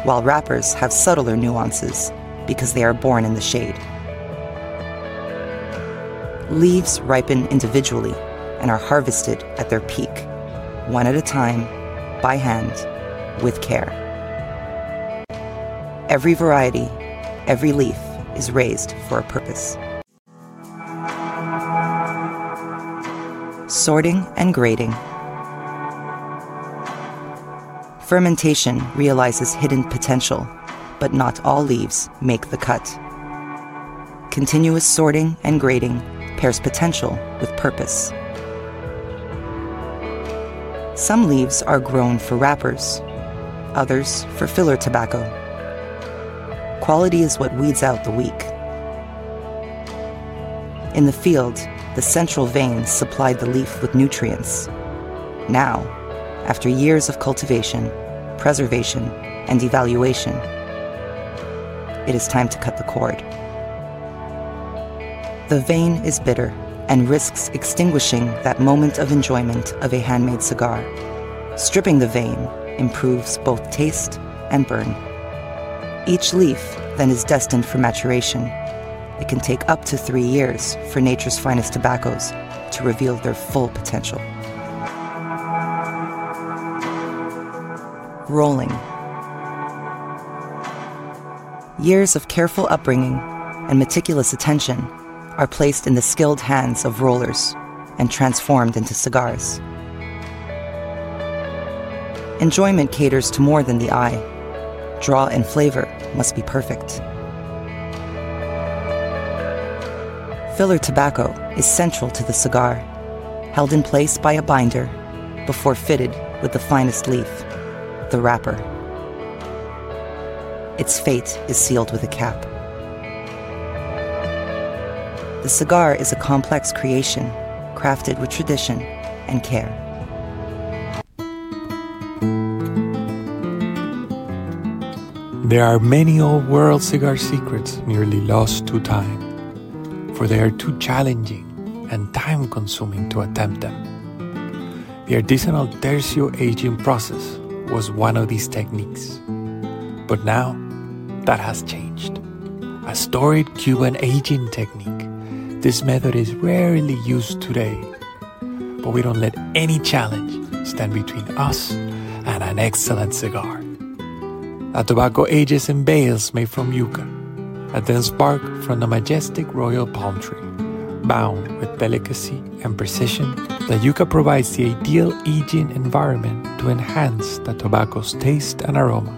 while wrappers have subtler nuances because they are born in the shade. Leaves ripen individually and are harvested at their peak, one at a time, by hand, with care. Every variety, every leaf is raised for a purpose. Sorting and grading. Fermentation realizes hidden potential, but not all leaves make the cut. Continuous sorting and grading pairs potential with purpose. Some leaves are grown for wrappers, others for filler tobacco. Quality is what weeds out the weak. In the field, the central veins supplied the leaf with nutrients. Now, after years of cultivation, preservation, and evaluation, it is time to cut the cord. The vein is bitter and risks extinguishing that moment of enjoyment of a handmade cigar. Stripping the vein improves both taste and burn. Each leaf then is destined for maturation. It can take up to three years for nature's finest tobaccos to reveal their full potential. Rolling. Years of careful upbringing and meticulous attention are placed in the skilled hands of rollers and transformed into cigars. Enjoyment caters to more than the eye. Draw and flavor must be perfect. Filler tobacco is central to the cigar, held in place by a binder before fitted with the finest leaf, the wrapper. Its fate is sealed with a cap. The cigar is a complex creation crafted with tradition and care. There are many old-world cigar secrets nearly lost to time, for they are too challenging and time-consuming to attempt them. The artisanal tertial aging process was one of these techniques, but now that has changed. A stored Cuban aging technique. This method is rarely used today, but we do not let any challenge stand between us and an excellent cigar. The tobacco ages in bales made from yucca, a dense bark from the majestic royal palm tree, bound with delicacy and precision. The yucca provides the ideal aging environment to enhance the tobacco's taste and aroma.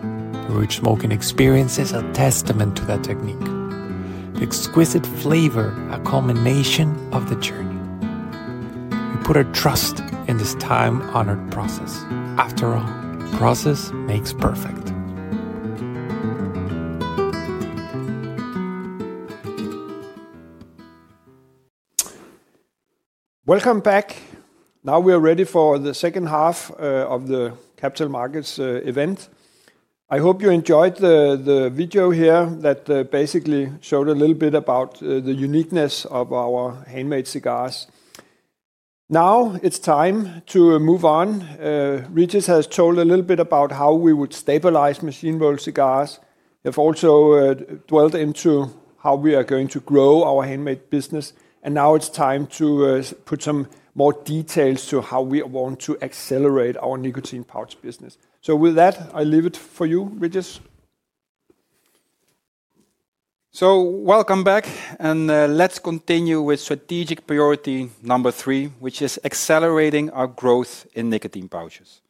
The rich smoking experience is a testament to that technique. The exquisite flavor is a culmination of the journey. We put our trust in this time-honored process. After all, process makes perfect. Welcome back. Now we are ready for the second half of the Capital Markets event. I hope you enjoyed the video here that basically showed a little bit about the uniqueness of our handmade cigars. Now it's time to move on. Régis has told a little bit about how we would stabilize machine-rolled cigars. We have also dwelled into how we are going to grow our handmade business, and now it's time to put some more details to how we want to accelerate our nicotine pouch business. With that, I leave it for you, Régis. Welcome back, and let's continue with strategic priority number three, which is accelerating our growth in nicotine pouches.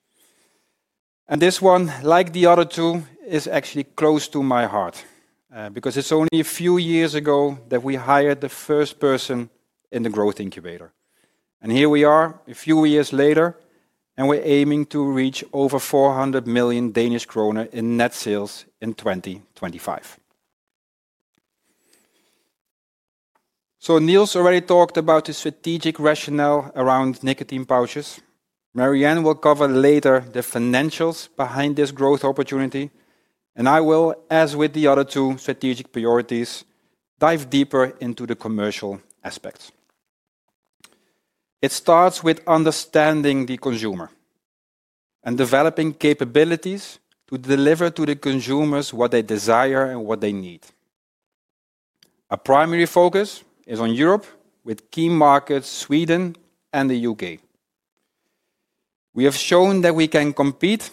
This one, like the other two, is actually close to my heart because it's only a few years ago that we hired the first person in the growth incubator. Here we are a few years later, and we're aiming to reach over 400 million Danish kroner in net sales in 2025. Niels already talked about the strategic rationale around nicotine pouches. Marianne will cover later the financials behind this growth opportunity, and I will, as with the other two strategic priorities, dive deeper into the commercial aspects. It starts with understanding the consumer and developing capabilities to deliver to the consumers what they desire and what they need. Our primary focus is on Europe, with key markets Sweden and the U.K. We have shown that we can compete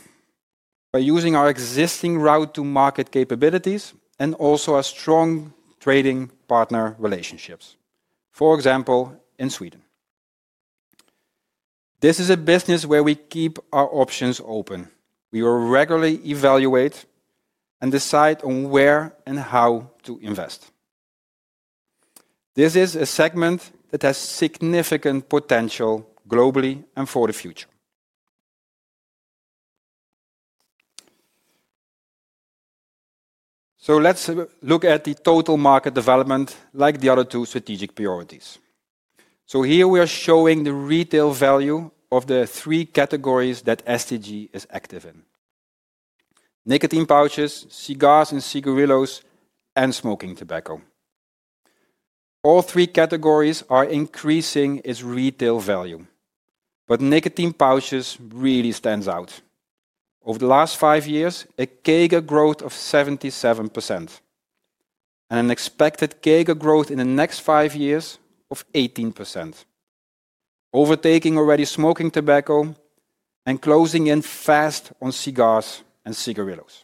by using our existing route-to-market capabilities and also our strong trading partner relationships, for example, in Sweden. This is a business where we keep our options open. We regularly evaluate and decide on where and how to invest. This is a segment that has significant potential globally and for the future. Let's look at the total market development, like the other two strategic priorities. Here we are showing the retail value of the three categories that STG is active in: nicotine pouches, cigars and cigarillos, and smoking tobacco. All three categories are increasing its retail value, but nicotine pouches really stand out. Over the last five years, a CAGR growth of 77% and an expected CAGR growth in the next five years of 18%, overtaking already smoking tobacco and closing in fast on cigars and cigarillos.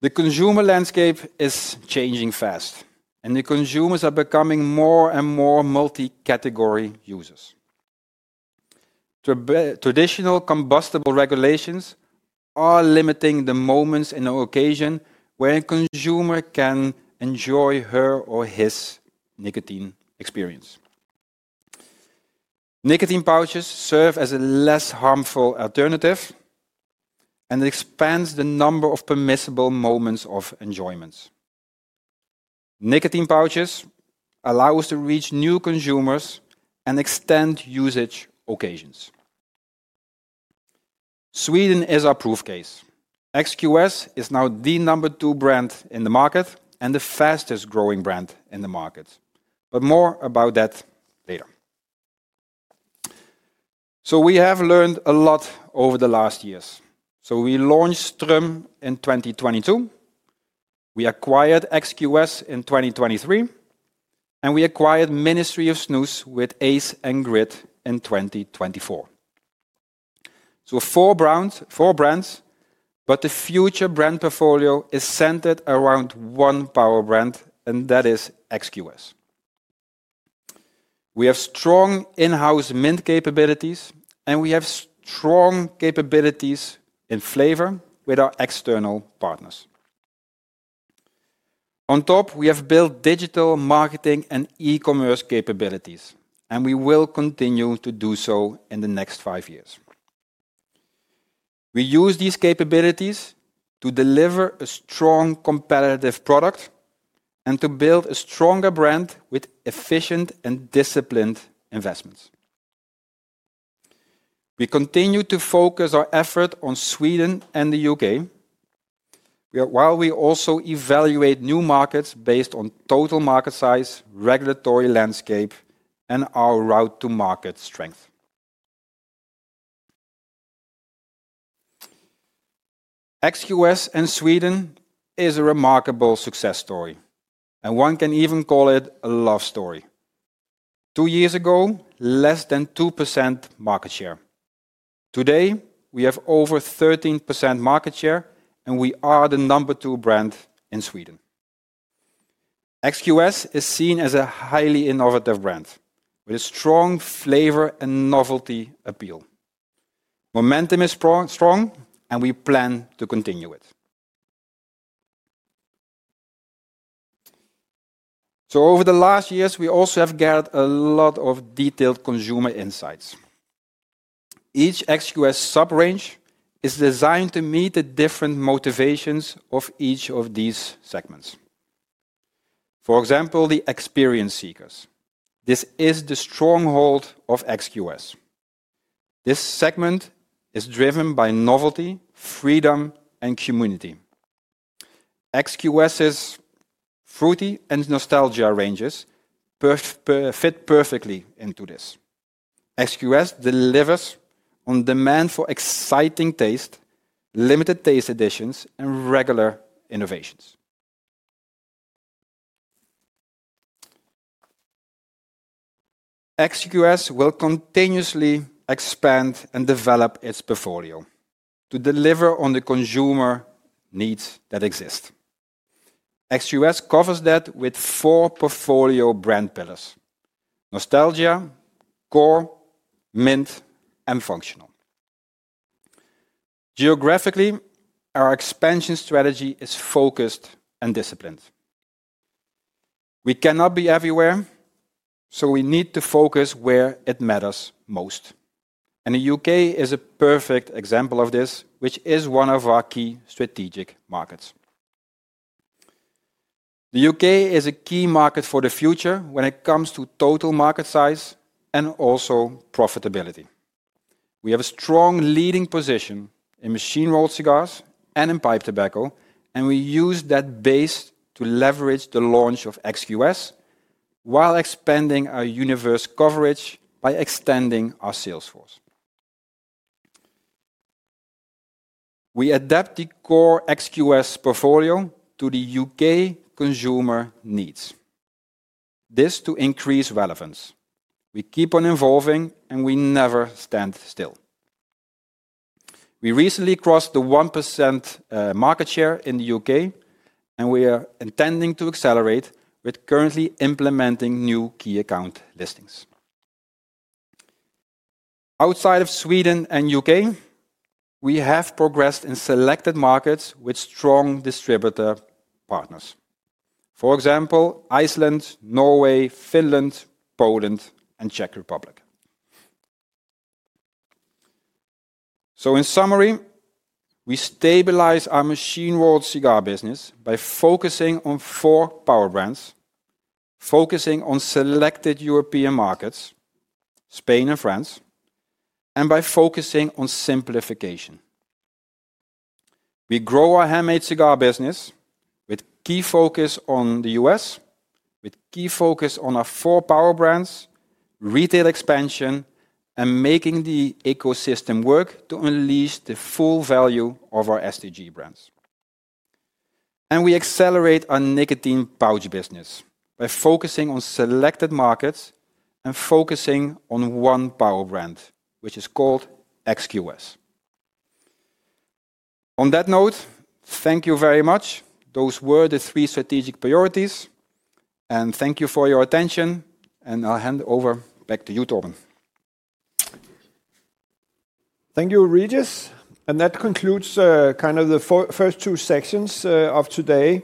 The consumer landscape is changing fast, and the consumers are becoming more and more multi-category users. Traditional combustible regulations are limiting the moments and occasions where a consumer can enjoy her or his nicotine experience. Nicotine pouches serve as a less harmful alternative, and it expands the number of permissible moments of enjoyment. Nicotine pouches allow us to reach new consumers and extend usage occasions. Sweden is our proof case. XQS is now the number two brand in the market and the fastest growing brand in the market, but more about that later. We have learned a lot over the last years. We launched Ström in 2022, we acquired XQS in 2023, and we acquired Ministry of Snooze with Ace and Grit in 2024. Four brands, but the future brand portfolio is centered around one power brand, and that is XQS. We have strong in-house mint capabilities, and we have strong capabilities in flavor with our external partners. On top, we have built digital marketing and e-commerce capabilities, and we will continue to do so in the next five years. We use these capabilities to deliver a strong competitive product and to build a stronger brand with efficient and disciplined investments. We continue to focus our effort on Sweden and the U.K., while we also evaluate new markets based on total market size, regulatory landscape, and our route-to-market strength. XQS and Sweden is a remarkable success story, and one can even call it a love story. Two years ago, less than 2% market share. Today, we have over 13% market share, and we are the number two brand in Sweden. XQS is seen as a highly innovative brand with a strong flavor and novelty appeal. Momentum is strong, and we plan to continue it. Over the last years, we also have gathered a lot of detailed consumer insights. Each XQS sub-range is designed to meet the different motivations of each of these segments. For example, the experience seekers. This is the stronghold of XQS. This segment is driven by novelty, freedom, and community. XQS's fruity and nostalgia ranges fit perfectly into this. XQS delivers on demand for exciting taste, limited taste editions, and regular innovations. XQS will continuously expand and develop its portfolio to deliver on the consumer needs that exist. XQS covers that with four portfolio brand pillars: nostalgia, core, mint, and functional. Geographically, our expansion strategy is focused and disciplined. We cannot be everywhere, so we need to focus where it matters most. The U.K. is a perfect example of this, which is one of our key strategic markets. The U.K. is a key market for the future when it comes to total market size and also profitability. We have a strong leading position in machine-rolled cigars and in pipe tobacco, and we use that base to leverage the launch of XQS while expanding our universe coverage by extending our sales force. We adapt the core XQS portfolio to the U.K. consumer needs. This is to increase relevance. We keep on evolving, and we never stand still. We recently crossed the 1% market share in the U.K., and we are intending to accelerate with currently implementing new key account listings. Outside of Sweden and the U.K., we have progressed in selected markets with strong distributor partners. For example, Iceland, Norway, Finland, Poland, and Czech Republic. In summary, we stabilize our machine-rolled cigar business by focusing on four power brands, focusing on selected European markets, Spain and France, and by focusing on simplification. We grow our handmade cigar business with key focus on the U.S., with key focus on our four power brands, retail expansion, and making the ecosystem work to unleash the full value of our STG brands. We accelerate our nicotine pouch business by focusing on selected markets and focusing on one power brand, which is called XQS. On that note, thank you very much. Those were the three strategic priorities, and thank you for your attention, and I'll hand over back to you, Torben. Thank you, Regis. That concludes kind of the first two sections of today.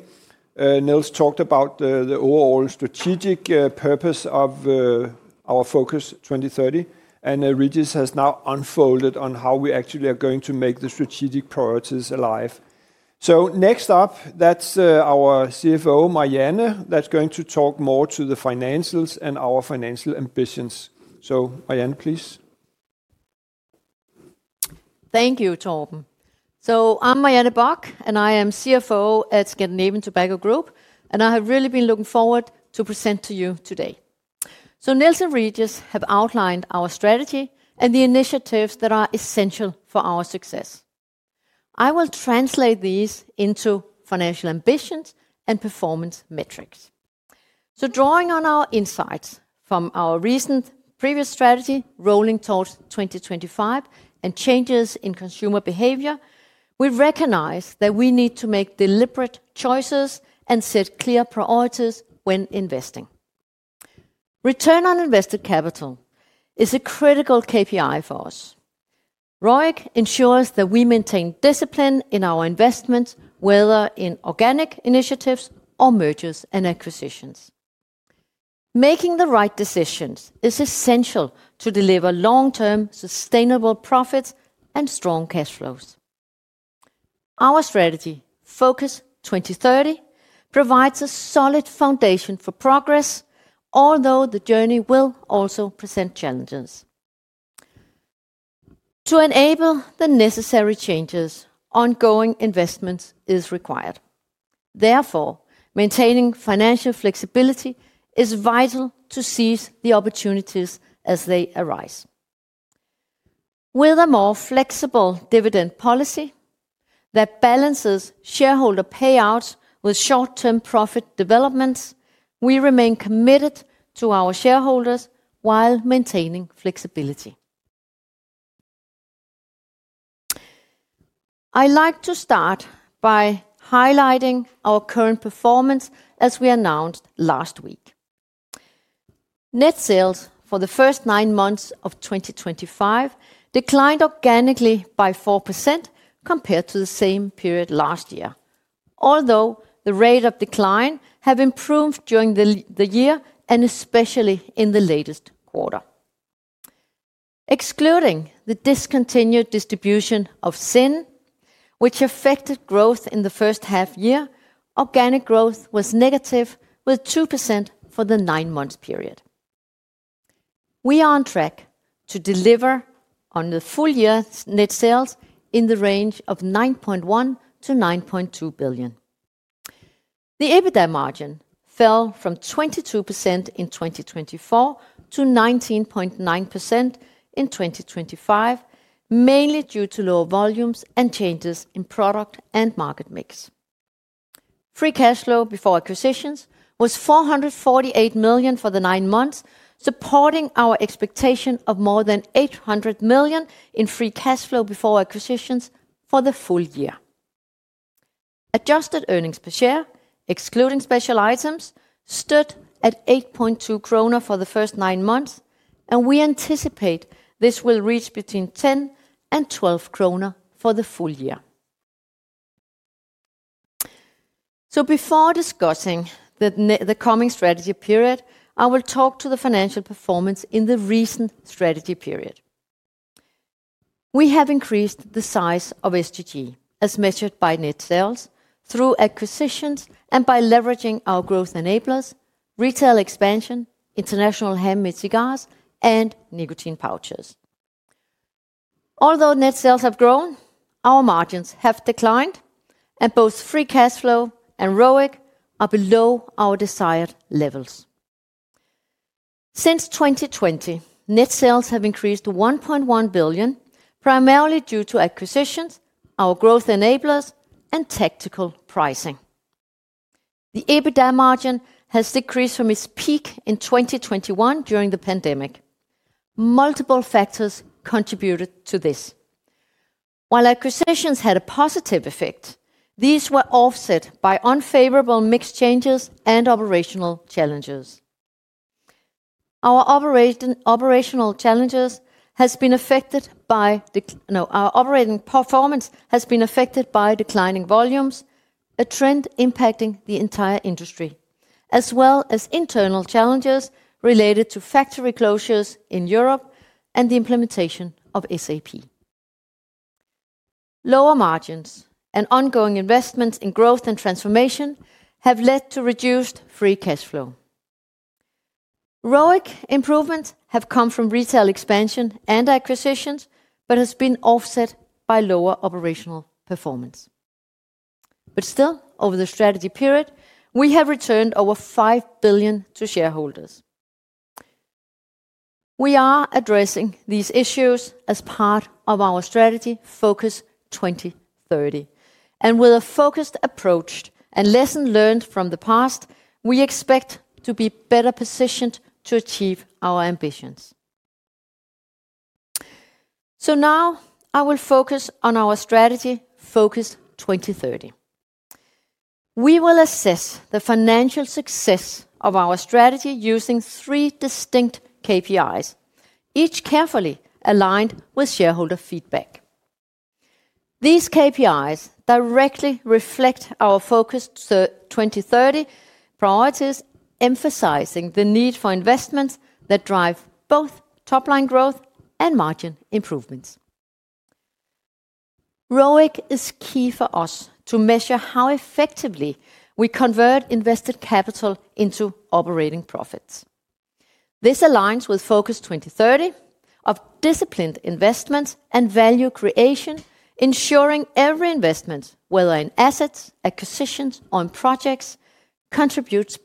Niels talked about the overall strategic purpose of our Focus 2030, and Régis has now unfolded on how we actually are going to make the strategic priorities alive. Next up, that's our CFO, Marianne, that's going to talk more to the financials and our financial ambitions. Marianne, please. Thank you, Torben. I am Marianne Bock, and I am CFO at Scandinavian Tobacco Group, and I have really been looking forward to presenting to you today. Niels and Régis have outlined our strategy and the initiatives that are essential for our success. I will translate these into financial ambitions and performance metrics. Drawing on our insights from our recent previous strategy, Rolling Thoughts 2025, and changes in consumer behavior, we recognize that we need to make deliberate choices and set clear priorities when investing. Return on invested capital is a critical KPI for us. ROIC ensures that we maintain discipline in our investments, whether in organic initiatives or mergers and acquisitions. Making the right decisions is essential to deliver long-term sustainable profits and strong cash flows. Our strategy, Focus 2030, provides a solid foundation for progress, although the journey will also present challenges. To enable the necessary changes, ongoing investment is required. Therefore, maintaining financial flexibility is vital to seize the opportunities as they arise. With a more flexible dividend policy that balances shareholder payouts with short-term profit developments, we remain committed to our shareholders while maintaining flexibility. I'd like to start by highlighting our current performance as we announced last week. Net sales for the first nine months of 2025 declined organically by 4% compared to the same period last year, although the rate of decline has improved during the year, and especially in the latest quarter. Excluding the discontinued distribution of SIN, which affected growth in the first half year, organic growth was negative with 2% for the nine-month period. We are on track to deliver on the full year's net sales in the range of 9.1 billion-9.2 billion. The EBITDA margin fell from 22% in 2024 to 19.9% in 2025, mainly due to lower volumes and changes in product and market mix. Free cash flow before acquisitions was 448 million for the nine months, supporting our expectation of more than 800 million in free cash flow before acquisitions for the full year. Adjusted earnings per share, excluding special items, stood at 8.2 kroner for the first nine months, and we anticipate this will reach between 10 and 12 kroner for the full year. Before discussing the coming strategy period, I will talk to the financial performance in the recent strategy period. We have increased the size of STG as measured by net sales through acquisitions and by leveraging our growth enablers, retail expansion, international handmade cigars, and nicotine pouches. Although net sales have grown, our margins have declined, and both free cash flow and ROIC are below our desired levels. Since 2020, net sales have increased to 1.1 billion, primarily due to acquisitions, our growth enablers, and tactical pricing. The EBITDA margin has decreased from its peak in 2021 during the pandemic. Multiple factors contributed to this. While acquisitions had a positive effect, these were offset by unfavorable mix changes and operational challenges. Our operating performance has been affected by declining volumes, a trend impacting the entire industry, as well as internal challenges related to factory closures in Europe and the implementation of SAP. Lower margins and ongoing investments in growth and transformation have led to reduced free cash flow. ROIC improvements have come from retail expansion and acquisitions, but have been offset by lower operational performance. Still, over the strategy period, we have returned over 5 billion to shareholders. We are addressing these issues as part of our strategy Focus 2030. With a focused approach and lessons learned from the past, we expect to be better positioned to achieve our ambitions. Now I will focus on our strategy Focus 2030. We will assess the financial success of our strategy using three distinct KPIs, each carefully aligned with shareholder feedback. These KPIs directly reflect our Focus 2030 priorities, emphasizing the need for investments that drive both top-line growth and margin improvements. ROIC is key for us to measure how effectively we convert invested capital into operating profits. This aligns with Focus 2030 of disciplined investments and value creation, ensuring every investment, whether in assets, acquisitions, or in projects, contributes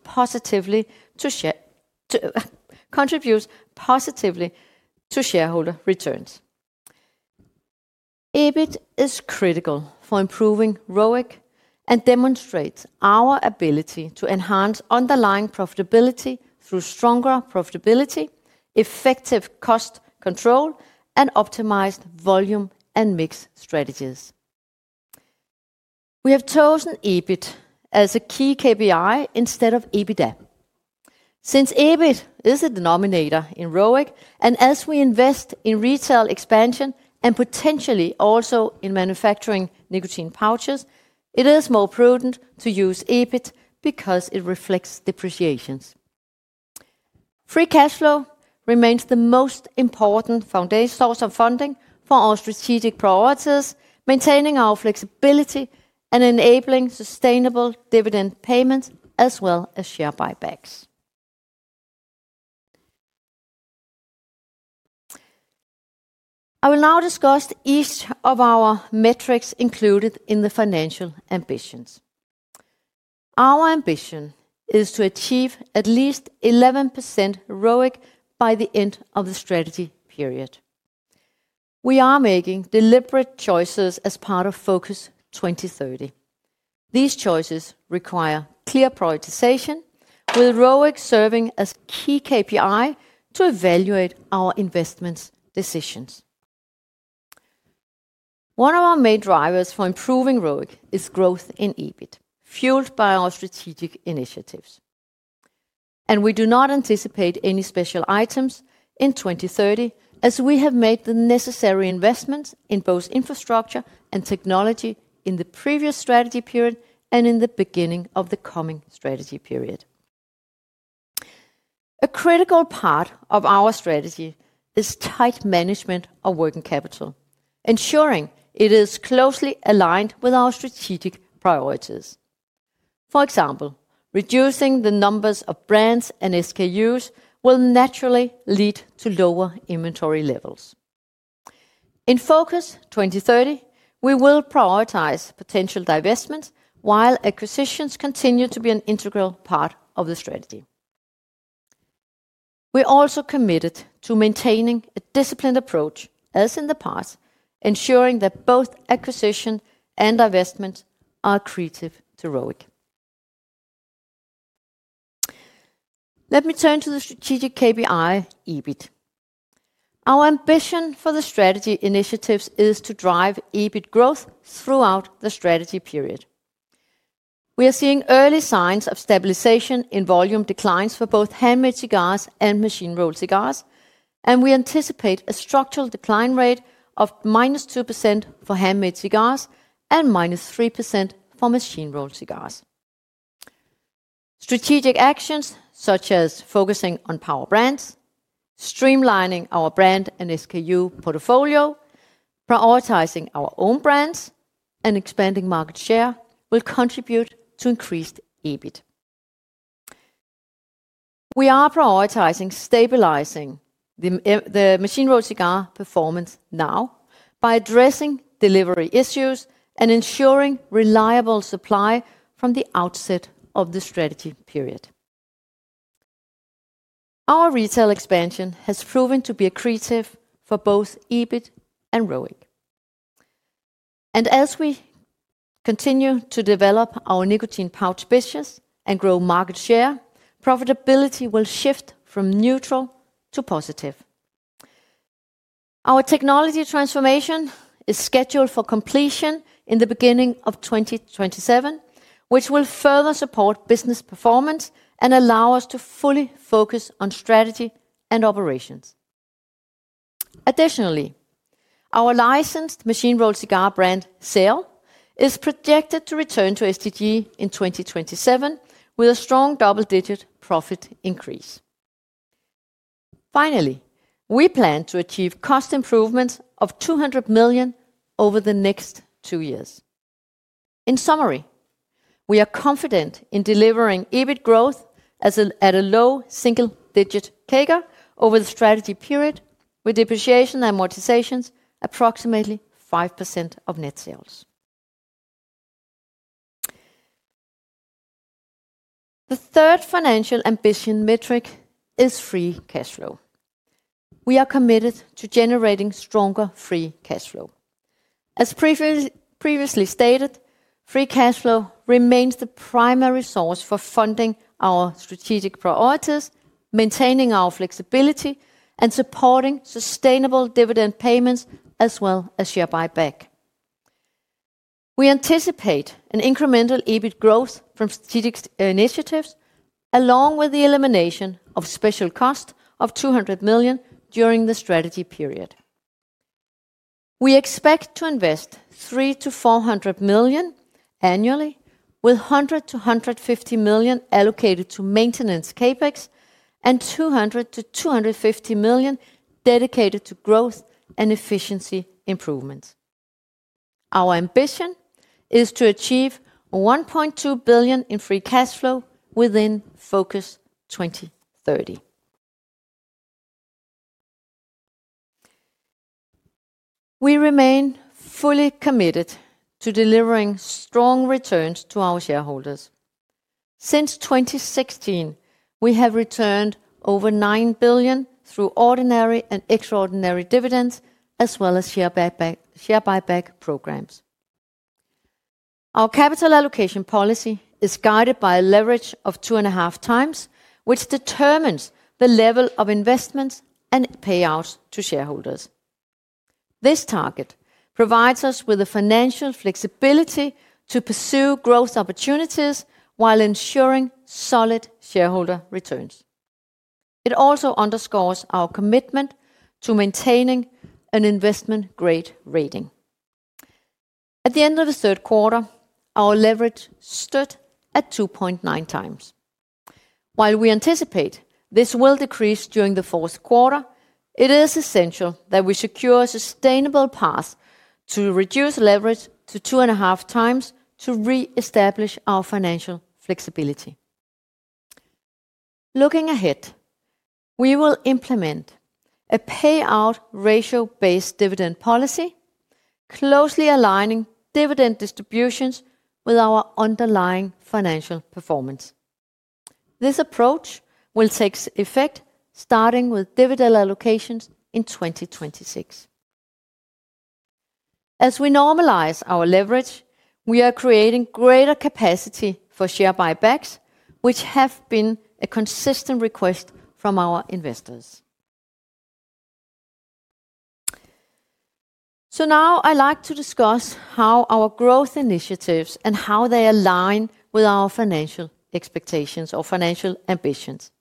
positively to shareholder returns. EBIT is critical for improving ROIC and demonstrates our ability to enhance underlying profitability through stronger profitability, effective cost control, and optimized volume and mix strategies. We have chosen EBIT as a key KPI instead of EBITDA. Since EBIT is a denominator in ROIC, and as we invest in retail expansion and potentially also in manufacturing nicotine pouches, it is more prudent to use EBIT because it reflects depreciations. Free cash flow remains the most important source of funding for our strategic priorities, maintaining our flexibility and enabling sustainable dividend payments as well as share buybacks. I will now discuss each of our metrics included in the financial ambitions. Our ambition is to achieve at least 11% ROIC by the end of the strategy period. We are making deliberate choices as part of Focus 2030. These choices require clear prioritization, with ROIC serving as a key KPI to evaluate our investment decisions. One of our main drivers for improving ROIC is growth in EBIT, fueled by our strategic initiatives. We do not anticipate any special items in 2030, as we have made the necessary investments in both infrastructure and technology in the previous strategy period and in the beginning of the coming strategy period. A critical part of our strategy is tight management of working capital, ensuring it is closely aligned with our strategic priorities. For example, reducing the numbers of brands and SKUs will naturally lead to lower inventory levels. In Focus 2030, we will prioritize potential divestments while acquisitions continue to be an integral part of the strategy. We are also committed to maintaining a disciplined approach, as in the past, ensuring that both acquisition and divestment are accretive to ROIC. Let me turn to the strategic KPI, EBIT. Our ambition for the strategy initiatives is to drive EBIT growth throughout the strategy period. We are seeing early signs of stabilization in volume declines for both handmade cigars and machine-rolled cigars, and we anticipate a structural decline rate of -2% for handmade cigars and -3% for machine-rolled cigars. Strategic actions such as focusing on power brands, streamlining our brand and SKU portfolio, prioritizing our own brands, and expanding market share will contribute to increased EBIT. We are prioritizing stabilizing the machine-rolled cigar performance now by addressing delivery issues and ensuring reliable supply from the outset of the strategy period. Our retail expansion has proven to be accretive for both EBIT and ROIC. As we continue to develop our nicotine pouch business and grow market share, profitability will shift from neutral to positive. Our technology transformation is scheduled for completion in the beginning of 2027, which will further support business performance and allow us to fully focus on strategy and operations. Additionally, our licensed machine-rolled cigar brand SAIL is projected to return to STG in 2027 with a strong double-digit profit increase. Finally, we plan to achieve cost improvements of 200 million over the next two years. In summary, we are confident in delivering EBIT growth at a low single-digit CAGR over the strategy period, with depreciation amortizations approximately 5% of net sales. The third financial ambition metric is free cash flow. We are committed to generating stronger free cash flow. As previously stated, free cash flow remains the primary source for funding our strategic priorities, maintaining our flexibility, and supporting sustainable dividend payments as well as share buyback. We anticipate an incremental EBIT growth from strategic initiatives, along with the elimination of special costs of 200 million during the strategy period. We expect to invest 300 million-400 million annually, with 100 million-150 million allocated to maintenance CapEx and 200 million-250 million dedicated to growth and efficiency improvements. Our ambition is to achieve 1.2 billion in free cash flow within Focus 2030. We remain fully committed to delivering strong returns to our shareholders. Since 2016, we have returned over 9 billion through ordinary and extraordinary dividends, as well as share buyback programs. Our capital allocation policy is guided by a leverage of 2.5 times, which determines the level of investments and payouts to shareholders. This target provides us with the financial flexibility to pursue growth opportunities while ensuring solid shareholder returns. It also underscores our commitment to maintaining an investment-grade rating. At the end of the third quarter, our leverage stood at 2.9x. While we anticipate this will decrease during the fourth quarter, it is essential that we secure a sustainable path to reduce leverage to 2.5x to reestablish our financial flexibility. Looking ahead, we will implement a payout ratio-based dividend policy, closely aligning dividend distributions with our underlying financial performance. This approach will take effect starting with dividend allocations in 2026. As we normalize our leverage, we are creating greater capacity for share buybacks, which have been a consistent request from our investors. I would now like to discuss how our growth initiatives and how they align with our financial expectations or financial ambitions.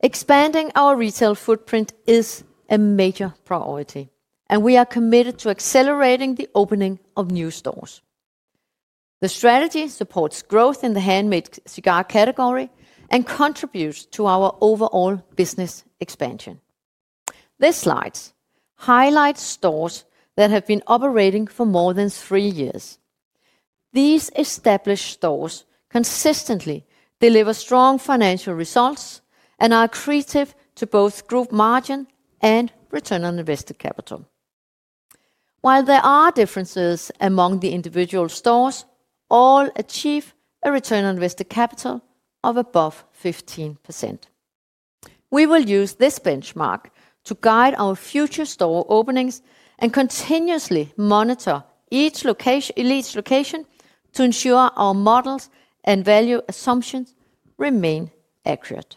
Expanding our retail footprint is a major priority, and we are committed to accelerating the opening of new stores. The strategy supports growth in the handmade cigar category and contributes to our overall business expansion. This slide highlights stores that have been operating for more than three years. These established stores consistently deliver strong financial results and are accretive to both group margin and return on invested capital. While there are differences among the individual stores, all achieve a return on invested capital of above 15%. We will use this benchmark to guide our future store openings and continuously monitor each location to ensure our models and value assumptions remain accurate.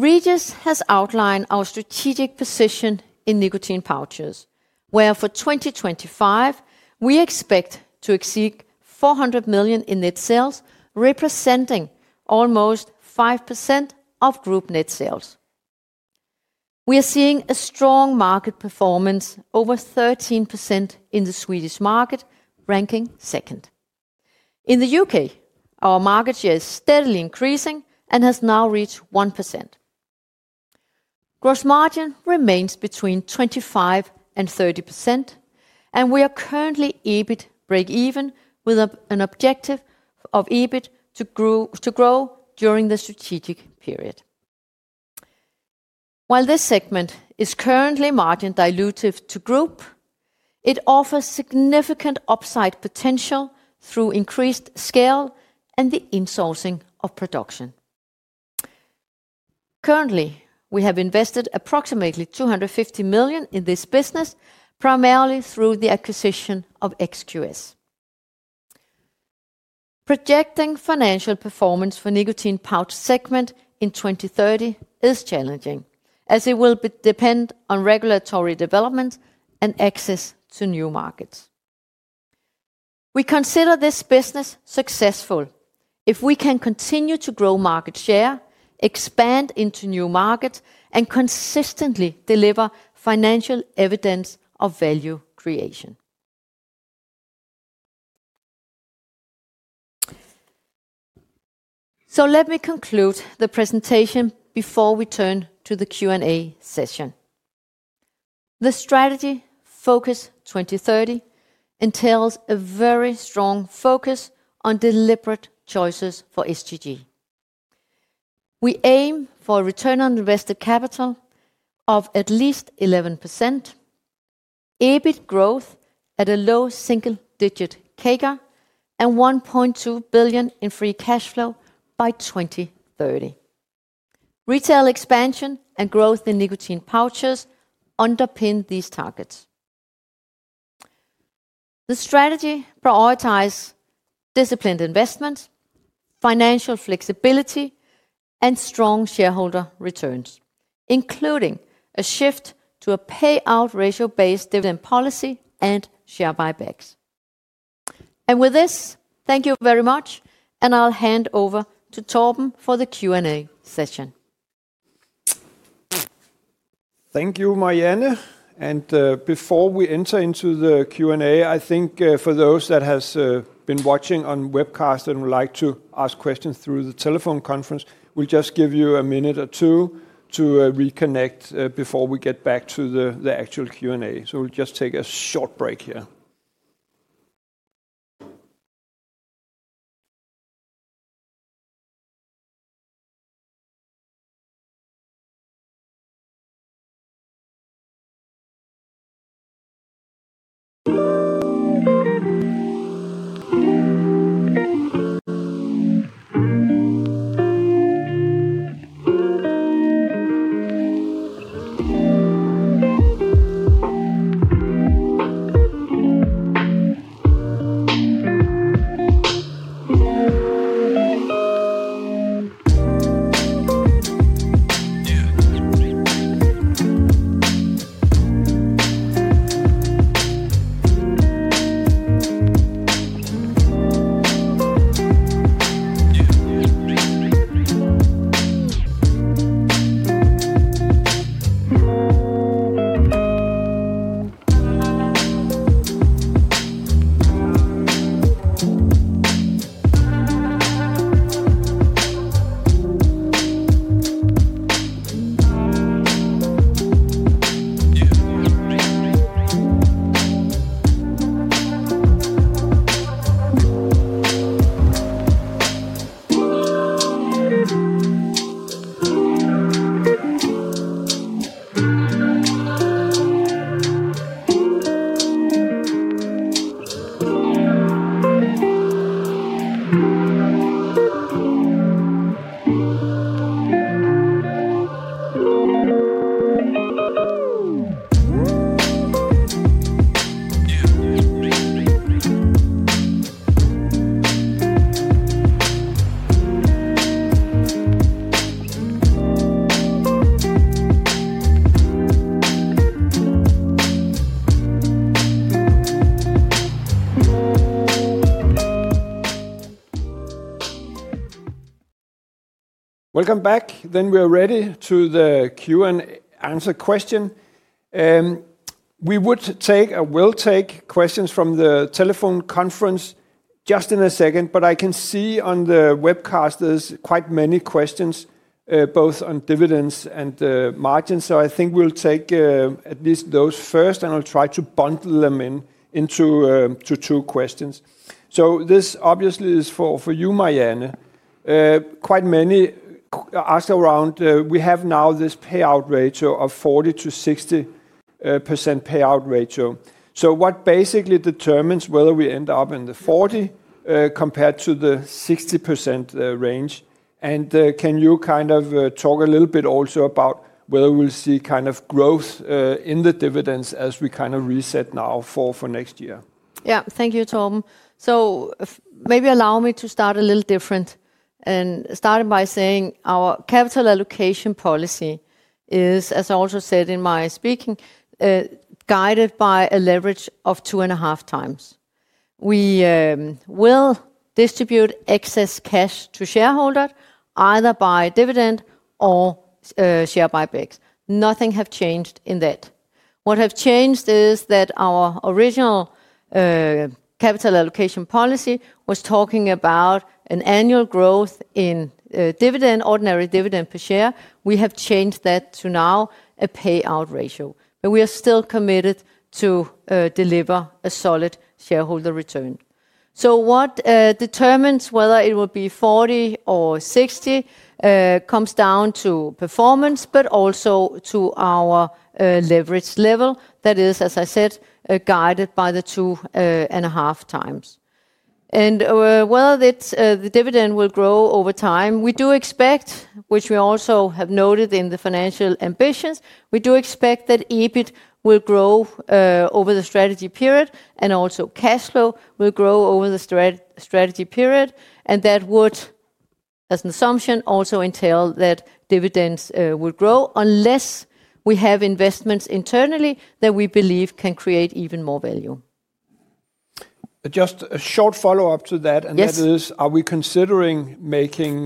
Régis has outlined our strategic position in nicotine pouches, where for 2025, we expect to exceed 400 million in net sales, representing almost 5% of group net sales. We are seeing a strong market performance, over 13% in the Swedish market, ranking second. In the U.K., our market share is steadily increasing and has now reached 1%. Gross margin remains between 25% and 30%, and we are currently EBIT break-even with an objective of EBIT to grow during the strategic period. While this segment is currently margin dilutive to group, it offers significant upside potential through increased scale and the insourcing of production. Currently, we have invested approximately 250 million in this business, primarily through the acquisition of XQS. Projecting financial performance for the nicotine pouch segment in 2030 is challenging, as it will depend on regulatory developments and access to new markets. We consider this business successful if we can continue to grow market share, expand into new markets, and consistently deliver financial evidence of value creation. Let me conclude the presentation before we turn to the Q&A session. The strategy Focus 2030 entails a very strong focus on deliberate choices for STG. We aim for a return on invested capital of at least 11%, EBIT growth at a low single-digit CAGR, and 1.2 billion in free cash flow by 2030. Retail expansion and growth in nicotine pouches underpin these targets. The strategy prioritizes disciplined investments, financial flexibility, and strong shareholder returns, including a shift to a payout ratio-based dividend policy and share buybacks. Thank you very much, and I will hand over to Torben for the Q&A session. Thank you, Marianne. Before we enter into the Q&A, I think for those that have been watching on webcast and would like to ask questions through the telephone conference, we will just give you a minute or two to reconnect before we get back to the actual Q&A. We will just take a short break here. Welcome back. We are ready to the Q&A answer question. We would take or will take questions from the telephone conference just in a second, but I can see on the webcast there's quite many questions, both on dividends and margins. I think we'll take at least those first, and I'll try to bundle them into two questions. This obviously is for you, Marianne. Quite many asked around, we have now this payout ratio of 40%-60% payout ratio. What basically determines whether we end up in the 40% compared to the 60% range? Can you kind of talk a little bit also about whether we'll see kind of growth in the dividends as we kind of reset now for next year? Yeah, thank you, Torben. Maybe allow me to start a little different and start by saying our capital allocation policy is, as I also said in my speaking, guided by a leverage of 2.5x. We will distribute excess cash to shareholders either by dividend or share buybacks. Nothing has changed in that. What has changed is that our original capital allocation policy was talking about an annual growth in ordinary dividend per share. We have changed that to now a payout ratio, but we are still committed to deliver a solid shareholder return. What determines whether it will be 40% or 60% comes down to performance, but also to our leverage level that is, as I said, guided by the 2.5x. Whether the dividend will grow over time, we do expect, which we also have noted in the financial ambitions, we do expect that EBIT will grow over the strategy period and also cash flow will grow over the strategy period. That would, as an assumption, also entail that dividends will grow unless we have investments internally that we believe can create even more value. Just a short follow-up to that, and that is, are we considering making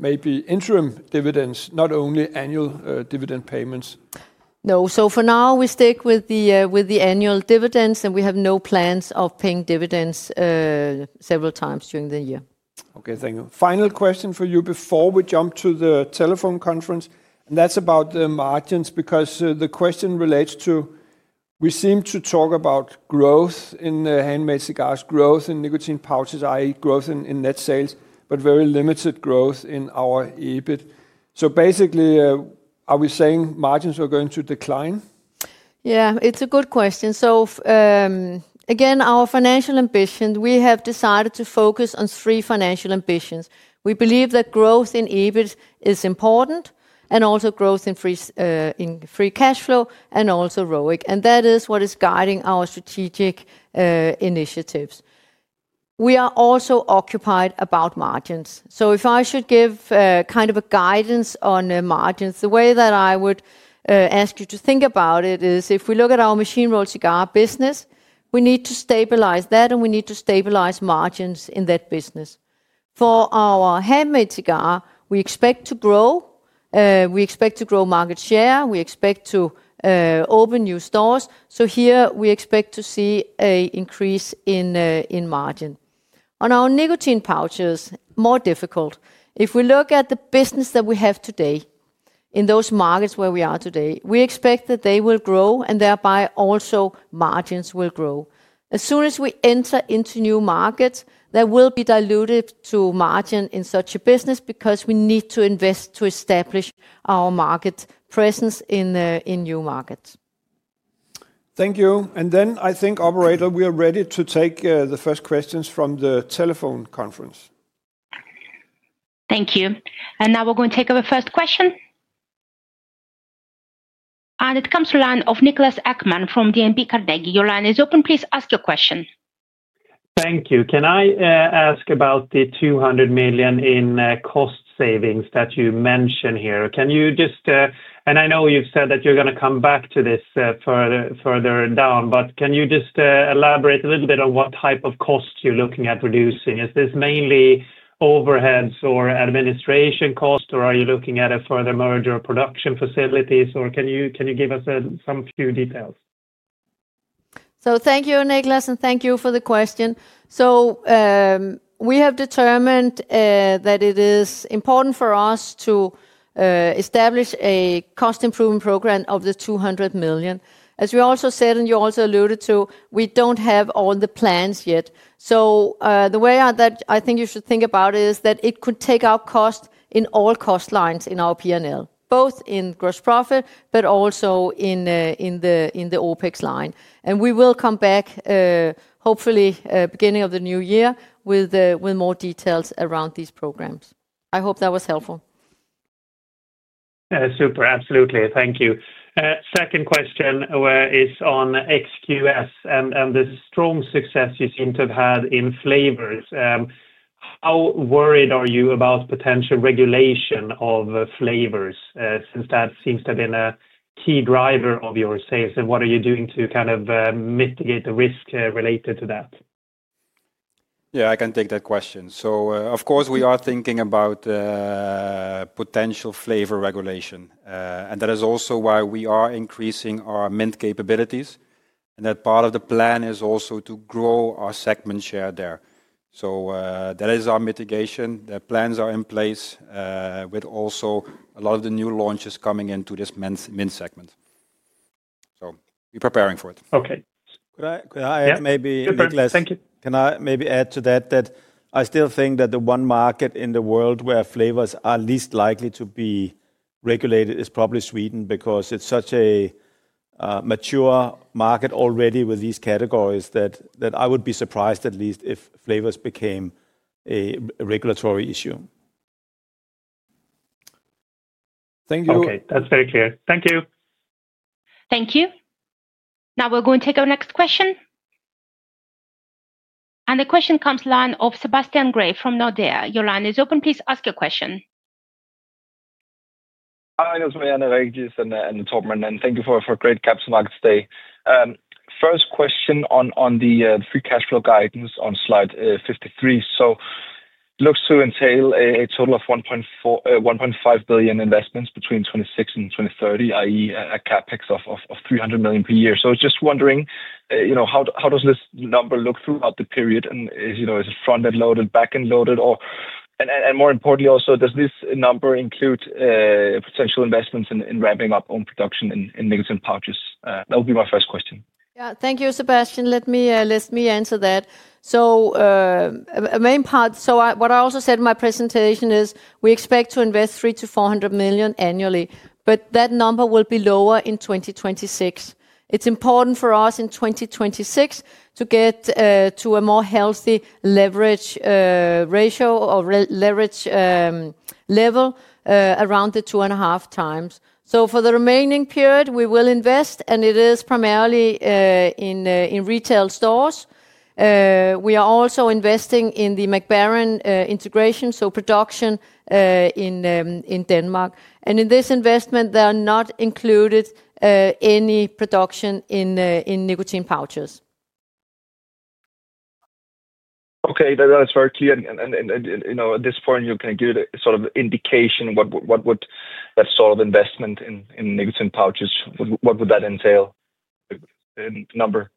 maybe interim dividends, not only annual dividend payments? No, for now we stick with the annual dividends, and we have no plans of paying dividends several times during the year. Okay, thank you. Final question for you before we jump to the telephone conference, and that's about the margins because the question relates to, we seem to talk about growth in handmade cigars, growth in nicotine pouches, i.e., growth in net sales, but very limited growth in our EBIT. Basically, are we saying margins are going to decline? Yeah, it's a good question. Again, our financial ambition, we have decided to focus on three financial ambitions. We believe that growth in EBIT is important and also growth in free cash flow and also ROIC, and that is what is guiding our strategic initiatives. We are also occupied about margins. If I should give kind of a guidance on margins, the way that I would ask you to think about it is if we look at our machine-rolled cigar business, we need to stabilize that, and we need to stabilize margins in that business. For our handmade cigar, we expect to grow, we expect to grow market share, we expect to open new stores. Here we expect to see an increase in margin. On our nicotine pouches, more difficult. If we look at the business that we have today in those markets where we are today, we expect that they will grow and thereby also margins will grow. As soon as we enter into new markets, they will be dilutive to margin in such a business because we need to invest to establish our market presence in new markets. Thank you. I think, Operator, we are ready to take the first questions from the telephone conference. Thank you. Now we're going to take our first question. It comes to the line of Niklas Ekman from DNB Carnegie. Your line is open. Please ask your question. Thank you. Can I ask about the 200 million in cost savings that you mentioned here? Can you just, and I know you've said that you're going to come back to this further down, but can you just elaborate a little bit on what type of costs you're looking at reducing? Is this mainly overheads or administration costs, or are you looking at a further merger of production facilities, or can you give us some few details? Thank you, Niklas, and thank you for the question. We have determined that it is important for us to establish a cost improvement program of 200 million. As we also said, and you also alluded to, we do not have all the plans yet. The way that I think you should think about it is that it could take out cost in all cost lines in our P&L, both in gross profit, but also in the OpEx line. We will come back, hopefully beginning of the new year, with more details around these programs. I hope that was helpful. Super, absolutely. Thank you. Second question is on XQS and the strong success you seem to have had in flavors. How worried are you about potential regulation of flavors since that seems to have been a key driver of your sales? What are you doing to kind of mitigate the risk related to that? Yeah, I can take that question. Of course we are thinking about potential flavor regulation, and that is also why we are increasing our mint capabilities. That part of the plan is also to grow our segment share there. That is our mitigation. The plans are in place with also a lot of the new launches coming into this mint segment. We're preparing for it. Okay. Could I maybe, Nicholas? Thank you. Can I maybe add to that that I still think that the one market in the world where flavors are least likely to be regulated is probably Sweden because it's such a mature market already with these categories that I would be surprised at least if flavors became a regulatory issue. Thank you. Okay, that's very clear. Thank you. Thank you. Now we're going to take our next question. The question comes live from Sebastian Gray from Nordea. Your line is open. Please ask your question. Hi, Nicholas and Tom, and thank you for a great Caps Markets Day. First question on the free cash flow guidance on slide 53. It looks to entail a total of 1.5 billion investments between 2026 and 2030, i.e., a CapEx of 300 million per year. I was just wondering, how does this number look throughout the period? Is it front-end loaded, back-end loaded, or, and more importantly, also does this number include potential investments in ramping up own production in nicotine pouches? That would be my first question. Yeah, thank you, Sebastian. Let me answer that. A main part, what I also said in my presentation is we expect to invest 300 million-400 million annually, but that number will be lower in 2026. It's important for us in 2026 to get to a more healthy leverage ratio or leverage level around the two and a half times. For the remaining period, we will invest, and it is primarily in retail stores. We are also investing in the Mac Baren integration, so production in Denmark. In this investment, there are not included any production in nicotine pouches. Okay, that's very clear. At this point, you can give sort of indication what would that sort of investment in nicotine pouches, what would that entail in number?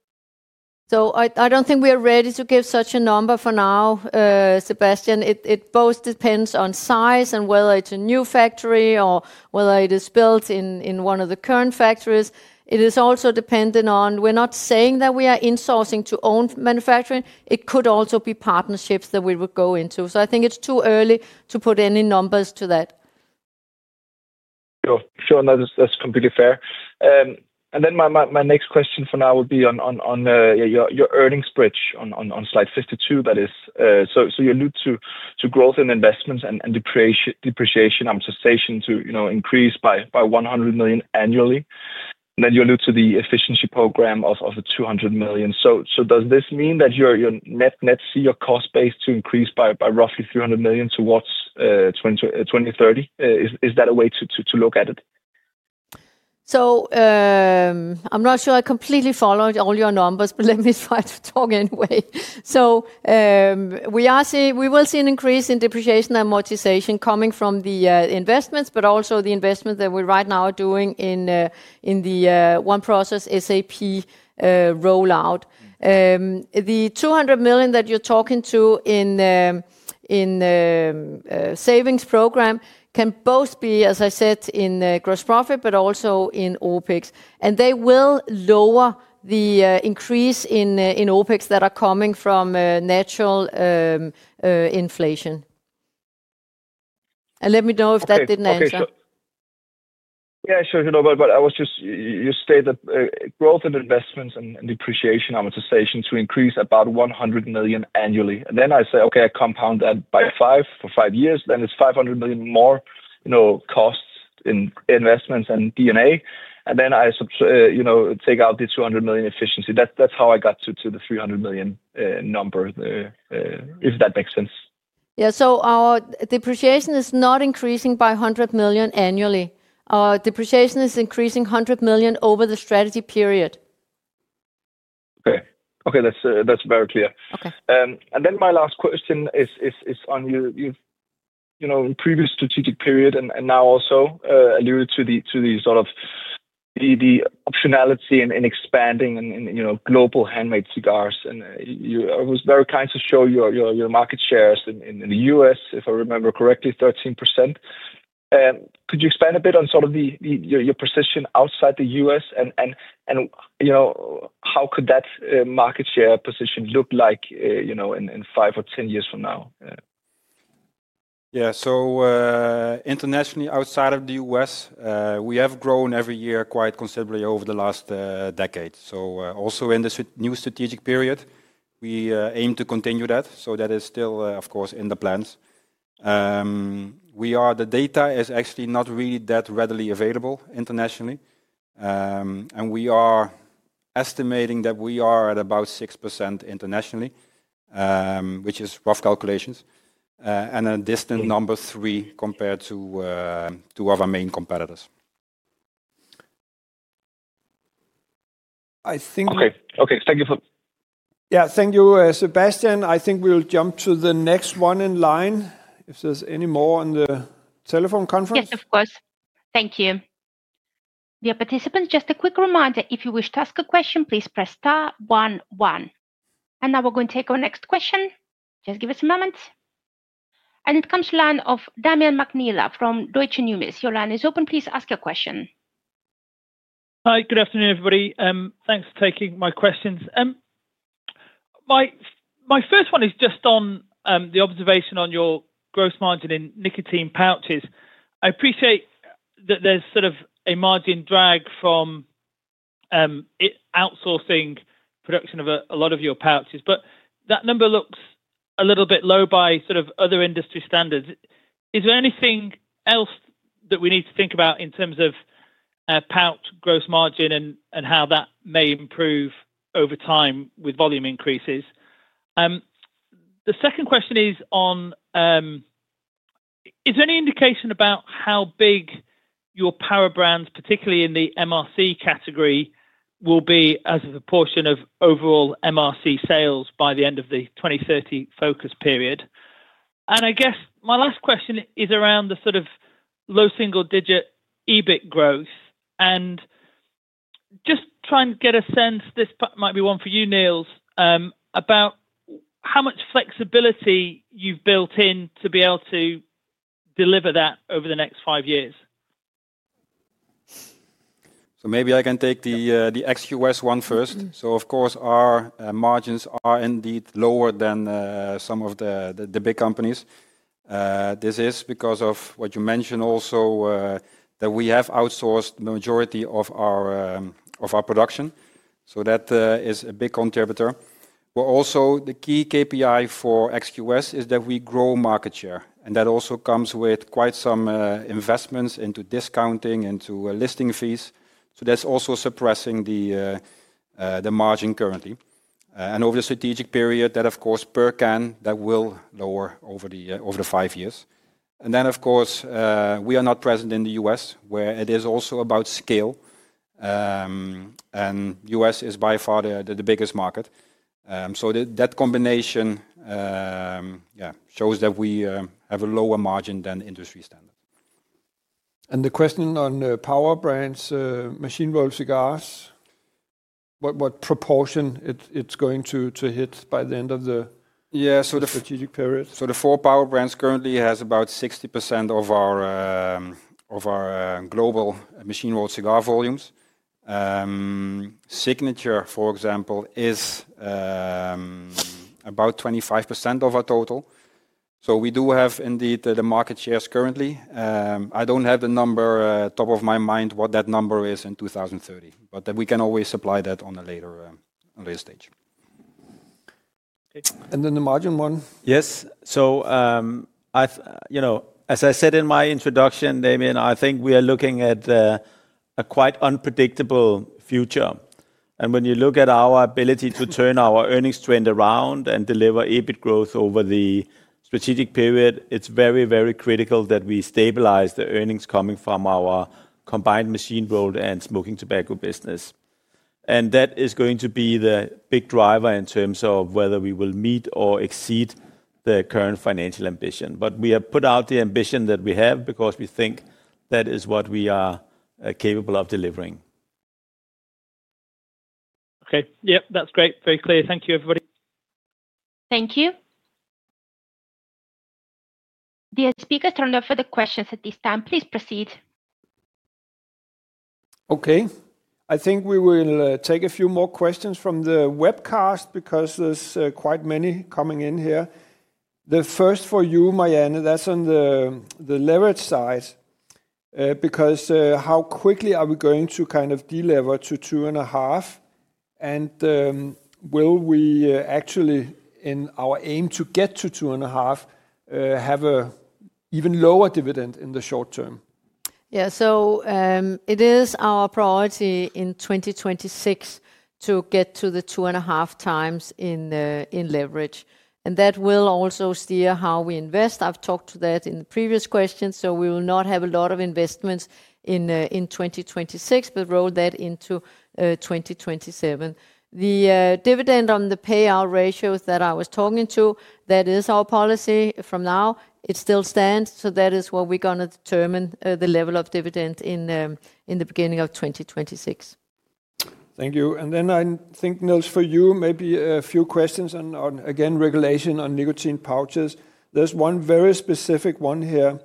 I don't think we are ready to give such a number for now, Sebastian. It both depends on size and whether it's a new factory or whether it is built in one of the current factories. It is also dependent on, we're not saying that we are insourcing to own manufacturing. It could also be partnerships that we would go into. I think it's too early to put any numbers to that. Sure, that's completely fair. My next question for now would be on your earnings bridge on slide 52. That is, you allude to growth in investments and depreciation cessation to increase by 100 million annually. Then you allude to the efficiency program of the 200 million. Does this mean that you net see your cost base to increase by roughly 300 million towards 2030? Is that a way to look at it? I'm not sure I completely followed all your numbers, but let me try to talk anyway. We will see an increase in depreciation and amortization coming from the investments, but also the investments that we're right now doing in the One Process SAP rollout. The 200 million that you're talking to in savings program can both be, as I said, in gross profit, but also in OpEx. They will lower the increase in OpEx that are coming from natural inflation. Let me know if that didn't answer. Yeah, sure, sure. I was just, you stated growth in investments and depreciation amortization to increase about 100 million annually. I say, okay, I compound that by five for five years, then it's 500 million more costs in investments and DNA. I take out the 200 million efficiency. That's how I got to the 300 million number, if that makes sense. Yeah, our depreciation is not increasing by 100 million annually. Our depreciation is increasing 100 million over the strategy period. Okay, that's very clear. My last question is on your previous strategic period and now also alluded to the sort of the optionality in expanding global handmade cigars. I was very kind to show your market shares in the U.S., if I remember correctly, 13%. Could you expand a bit on sort of your position outside the U.S. and how could that market share position look like in five or ten years from now? Yeah, internationally outside of the U.S., we have grown every year quite considerably over the last decade. In this new strategic period, we aim to continue that. That is still, of course, in the plans. The data is actually not really that readily available internationally. We are estimating that we are at about 6% internationally, which is rough calculations, and a distant number three compared to our main competitors. I think. Okay, thank you for. Yeah, thank you, Sebastian. I think we'll jump to the next one in line if there's any more on the telephone conference. Yes, of course. Thank you. Dear participants, just a quick reminder, if you wish to ask a question, please press star 11. Now we're going to take our next question. Just give us a moment. It comes to the line of Damian McNeill from Deutsche Numis. Your line is open. Please ask your question. Hi, good afternoon, everybody. Thanks for taking my questions. My first one is just on the observation on your gross margin in nicotine pouches. I appreciate that there's sort of a margin drag from outsourcing production of a lot of your pouches, but that number looks a little bit low by sort of other industry standards. Is there anything else that we need to think about in terms of pouch gross margin and how that may improve over time with volume increases? The second question is on, is there any indication about how big your power brands, particularly in the MRC category, will be as a proportion of overall MRC sales by the end of the 2030 focus period? I guess my last question is around the sort of low single digit EBIT growth and just trying to get a sense, this might be one for you, Niels, about how much flexibility you've built in to be able to deliver that over the next five years. Maybe I can take the XQS one first. Of course, our margins are indeed lower than some of the big companies. This is because of what you mentioned also that we have outsourced the majority of our production. That is a big contributor. Also, the key KPI for XQS is that we grow market share. That also comes with quite some investments into discounting, into listing fees. That is also suppressing the margin currently. Over the strategic period, that, of course, per can, will lower over the five years. We are not present in the U.S. where it is also about scale. U.S. is by far the biggest market. That combination shows that we have a lower margin than industry standards. The question on power brands, machine-rolled cigars, what proportion it is going to hit by the end of the strategic period? The four power brands currently have about 60% of our global machine-rolled cigar volumes. Signature, for example, is about 25% of our total. We do have indeed the market shares currently. I do not have the number top of my mind what that number is in 2030, but we can always supply that at a later stage. The margin one, yes. As I said in my introduction, Damian, I think we are looking at a quite unpredictable future. When you look at our ability to turn our earnings trend around and deliver EBIT growth over the strategic period, it is very, very critical that we stabilize the earnings coming from our combined machine-rolled and smoking tobacco business. That is going to be the big driver in terms of whether we will meet or exceed the current financial ambition. We have put out the ambition that we have because we think that is what we are capable of delivering. Okay, yep, that's great. Very clear. Thank you, everybody. Thank you. The speaker turned off for the questions at this time. Please proceed. Okay, I think we will take a few more questions from the webcast because there's quite many coming in here. The first for you, Marianne, that's on the leverage size because how quickly are we going to kind of deleverage to two and a half? And will we actually, in our aim to get to two and a half, have an even lower dividend in the short term? Yeah, it is our priority in 2026 to get to the two and a half times in leverage. That will also steer how we invest. I've talked to that in the previous questions. We will not have a lot of investments in 2026, but roll that into 2027. The dividend on the payout ratios that I was talking to, that is our policy from now. It still stands. That is what we're going to determine the level of dividend in the beginning of 2026. Thank you. I think, Niels, for you, maybe a few questions on, again, regulation on nicotine pouches. There's one very specific one here.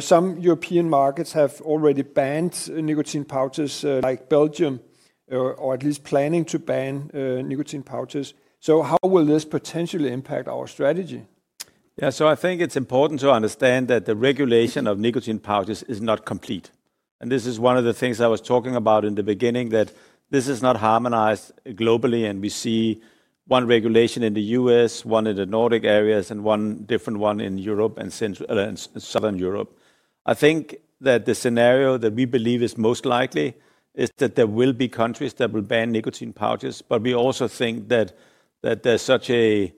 Some European markets have already banned nicotine pouches, like Belgium, or at least planning to ban nicotine pouches. How will this potentially impact our strategy? Yeah, I think it's important to understand that the regulation of nicotine pouches is not complete. This is one of the things I was talking about in the beginning, that this is not harmonized globally. We see one regulation in the U.S., one in the Nordic areas, and one different one in Europe and Southern Europe. I think that the scenario that we believe is most likely is that there will be countries that will ban nicotine pouches. We also think that there's such a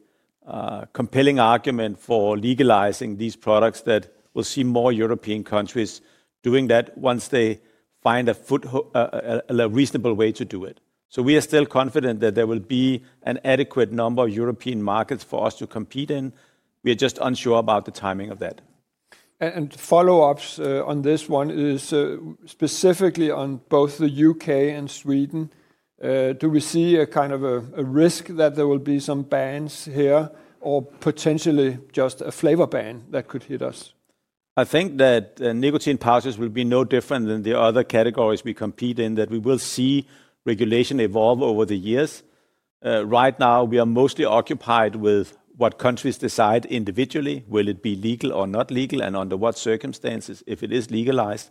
compelling argument for legalizing these products that we'll see more European countries doing that once they find a reasonable way to do it. We are still confident that there will be an adequate number of European markets for us to compete in. We are just unsure about the timing of that. Follow-ups on this one is specifically on both the U.K. and Sweden. Do we see a kind of a risk that there will be some bans here or potentially just a flavor ban that could hit us? I think that nicotine pouches will be no different than the other categories we compete in, that we will see regulation evolve over the years. Right now, we are mostly occupied with what countries decide individually, will it be legal or not legal, and under what circumstances if it is legalized.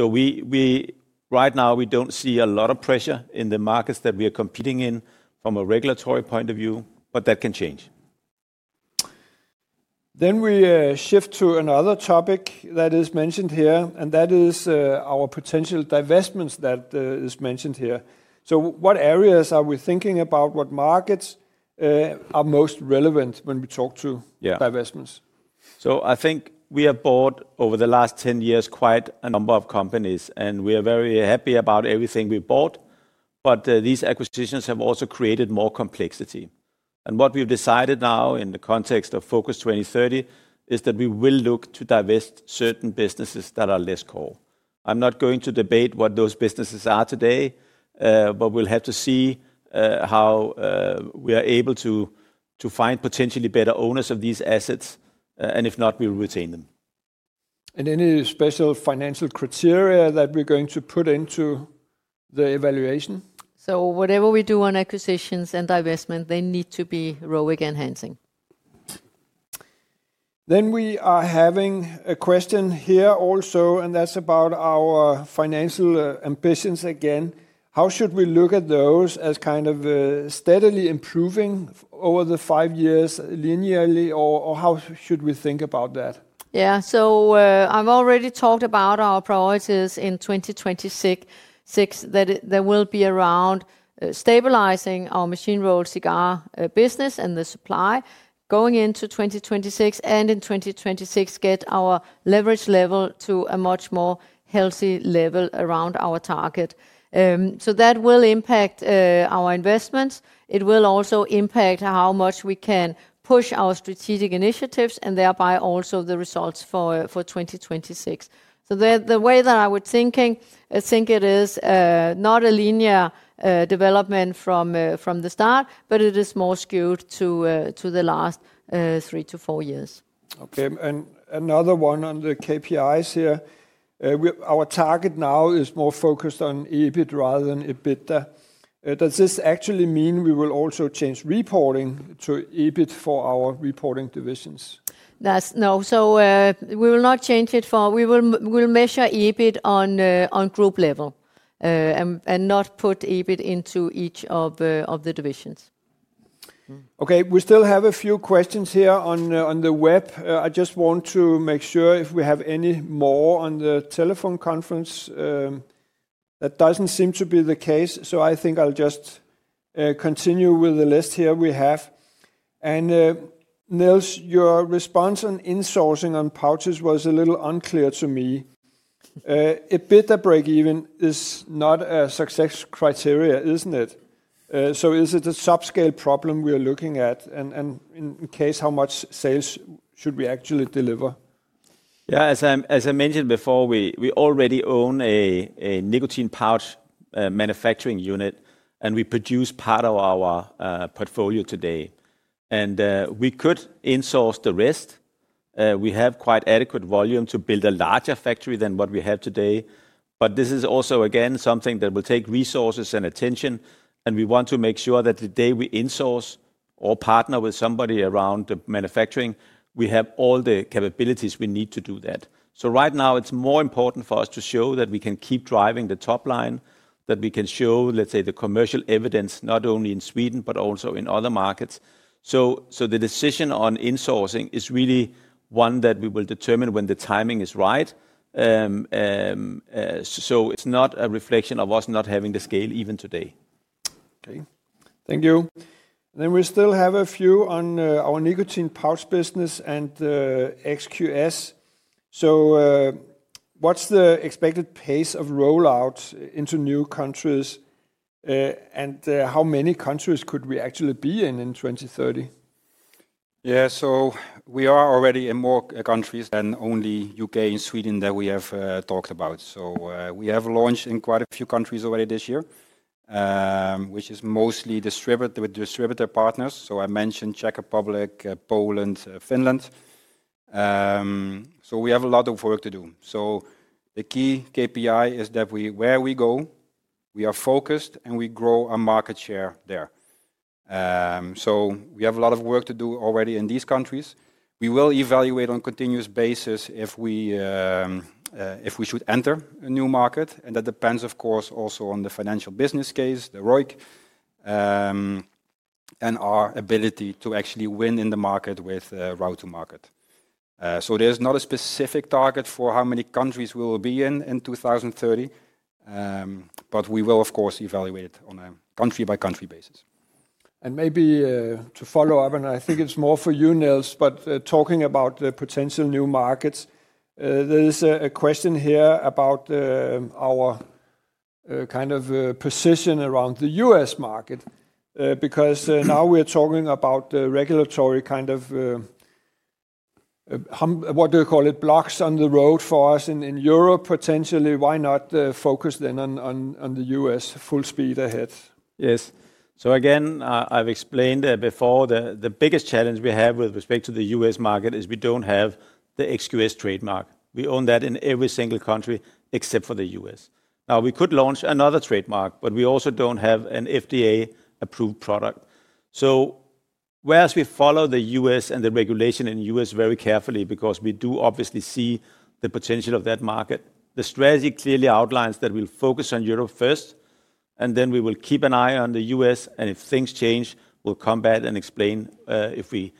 Right now, we do not see a lot of pressure in the markets that we are competing in from a regulatory point of view, but that can change. We shift to another topic that is mentioned here, and that is our potential divestments that is mentioned here. What areas are we thinking about, what markets are most relevant when we talk to divestments? I think we have bought over the last ten years quite a number of companies, and we are very happy about everything we bought. These acquisitions have also created more complexity. What we have decided now in the context of Focus 2030 is that we will look to divest certain businesses that are less core. I'm not going to debate what those businesses are today, but we'll have to see how we are able to find potentially better owners of these assets. If not, we'll retain them. Any special financial criteria that we're going to put into the evaluation? Whatever we do on acquisitions and divestments, they need to be ROIC enhancing. We are having a question here also, and that's about our financial ambitions again. How should we look at those as kind of steadily improving over the five years linearly, or how should we think about that? I've already talked about our priorities in 2026, that there will be around stabilizing our machine-rolled cigar business and the supply going into 2026 and in 2026 get our leverage level to a much more healthy level around our target. That will impact our investments. It will also impact how much we can push our strategic initiatives and thereby also the results for 2026. The way that I was thinking, I think it is not a linear development from the start, but it is more skewed to the last three to four years. Okay, and another one on the KPIs here. Our target now is more focused on EBIT rather than EBITDA. Does this actually mean we will also change reporting to EBIT for our reporting divisions? No, we will not change it. We will measure EBIT on group level and not put EBIT into each of the divisions. Okay, we still have a few questions here on the web. I just want to make sure if we have any more on the telephone conference. That does not seem to be the case. I think I'll just continue with the list here we have. Niels, your response on insourcing on pouches was a little unclear to me. EBITDA break-even is not a success criteria, is it? Is it a subscale problem we are looking at? In that case, how much sales should we actually deliver? Yeah, as I mentioned before, we already own a nicotine pouch manufacturing unit, and we produce part of our portfolio today. We could insource the rest. We have quite adequate volume to build a larger factory than what we have today. This is also, again, something that will take resources and attention. We want to make sure that the day we insource or partner with somebody around the manufacturing, we have all the capabilities we need to do that. Right now, it's more important for us to show that we can keep driving the top line, that we can show, let's say, the commercial evidence not only in Sweden, but also in other markets. The decision on insourcing is really one that we will determine when the timing is right. It's not a reflection of us not having the scale even today. Okay, thank you. We still have a few on our nicotine pouch business and XQS. What's the expected pace of rollout into new countries? How many countries could we actually be in in 2030? We are already in more countries than only the U.K. and Sweden that we have talked about. We have launched in quite a few countries already this year, which is mostly distributed with distributor partners. I mentioned Czech Republic, Poland, Finland. We have a lot of work to do. The key KPI is that where we go, we are focused and we grow our market share there. We have a lot of work to do already in these countries. We will evaluate on a continuous basis if we should enter a new market. That depends, of course, also on the financial business case, the ROIC, and our ability to actually win in the market with route to market. There is not a specific target for how many countries we will be in in 2030, but we will, of course, evaluate on a country-by-country basis. Maybe to follow up, and I think it's more for you, Niels, but talking about the potential new markets, there is a question here about our kind of position around the U.S. market because now we're talking about the regulatory kind of, what do you call it, blocks on the road for us in Europe potentially. Why not focus then on the U.S. full speed ahead? Yes. I have explained before that the biggest challenge we have with respect to the U.S. market is we do not have the XQS trademark. We own that in every single country except for the U.S.. We could launch another trademark, but we also do not have an FDA-approved product. Whereas we follow the U.S. and the regulation in the U.S. very carefully because we do obviously see the potential of that market, the strategy clearly outlines that we will focus on Europe first, and then we will keep an eye on the US. If things change, we will come back and explain if we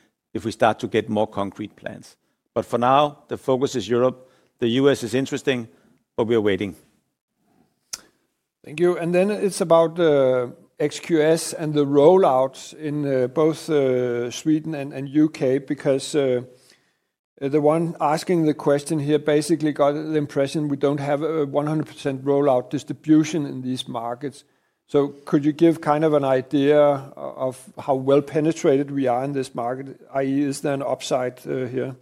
start to get more concrete plans. For now, the focus is Europe. The U.S. is interesting, but we are waiting. Thank you. It is about XQS and the rollout in both Sweden and U.K. because the one asking the question here basically got the impression we do not have a 100% rollout distribution in these markets. Could you give kind of an idea of how well-penetrated we are in this market? I.e., is there an upside here?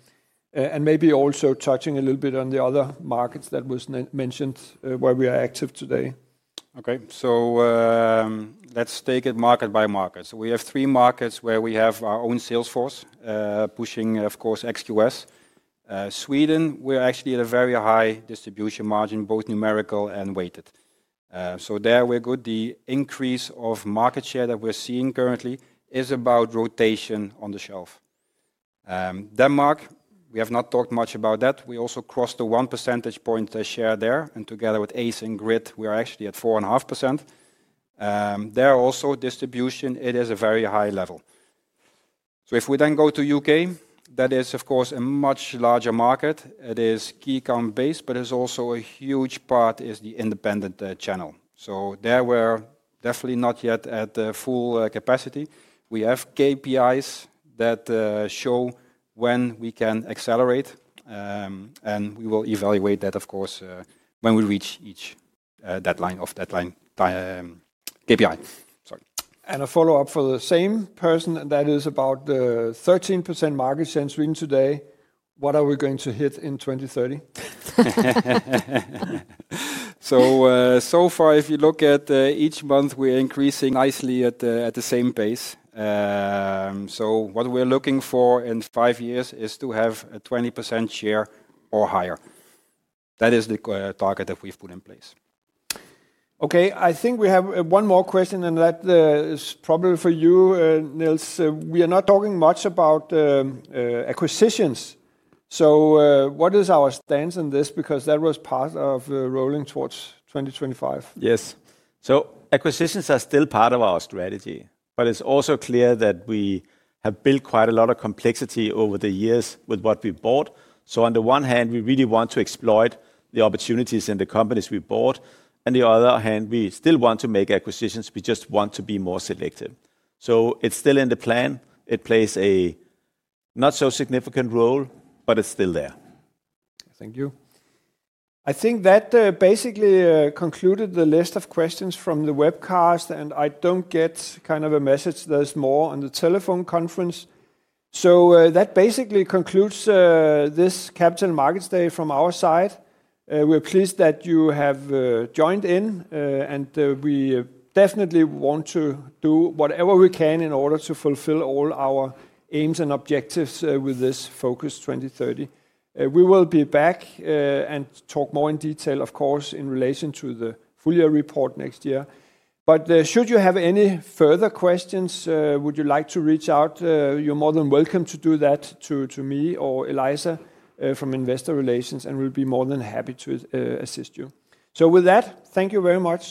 Maybe also touching a little bit on the other markets that were mentioned where we are active today. Okay, let's take it market by market. We have three markets where we have our own sales force pushing, of course, XQS. Sweden, we're actually at a very high distribution margin, both numerical and weighted. There we're good. The increase of market share that we're seeing currently is about rotation on the shelf. Denmark, we have not talked much about that. We also crossed the one percentage point share there. Together with ACE and GRIT, we are actually at 4.5%. There are also distribution. It is a very high level. If we then go to the U.K., that is, of course, a much larger market. It is key count based, but also a huge part is the independent channel. There we are definitely not yet at full capacity. We have KPIs that show when we can accelerate, and we will evaluate that, of course, when we reach each deadline of deadline KPI. Sorry. A follow-up for the same person, and that is about the 13% market share in Sweden today. What are we going to hit in 2030? If you look at each month, we are increasing nicely at the same pace. What we are looking for in five years is to have a 20% share or higher. That is the target that we have put in place. I think we have one more question, and that is probably for you, Niels. We are not talking much about acquisitions. What is our stance on this? That was part of rolling towards 2025. Yes. Acquisitions are still part of our strategy, but it's also clear that we have built quite a lot of complexity over the years with what we bought. On the one hand, we really want to exploit the opportunities and the companies we bought. On the other hand, we still want to make acquisitions. We just want to be more selective. It's still in the plan. It plays a not so significant role, but it's still there. Thank you. I think that basically concluded the list of questions from the webcast, and I don't get kind of a message there's more on the telephone conference. That basically concludes this Capital Markets Day from our side. We're pleased that you have joined in, and we definitely want to do whatever we can in order to fulfill all our aims and objectives with this Focus 2030. We will be back and talk more in detail, of course, in relation to the Fulya report next year. If you have any further questions, would you like to reach out? You're more than welcome to do that to me or Eliza from Investor Relations, and we'll be more than happy to assist you. With that, thank you very much.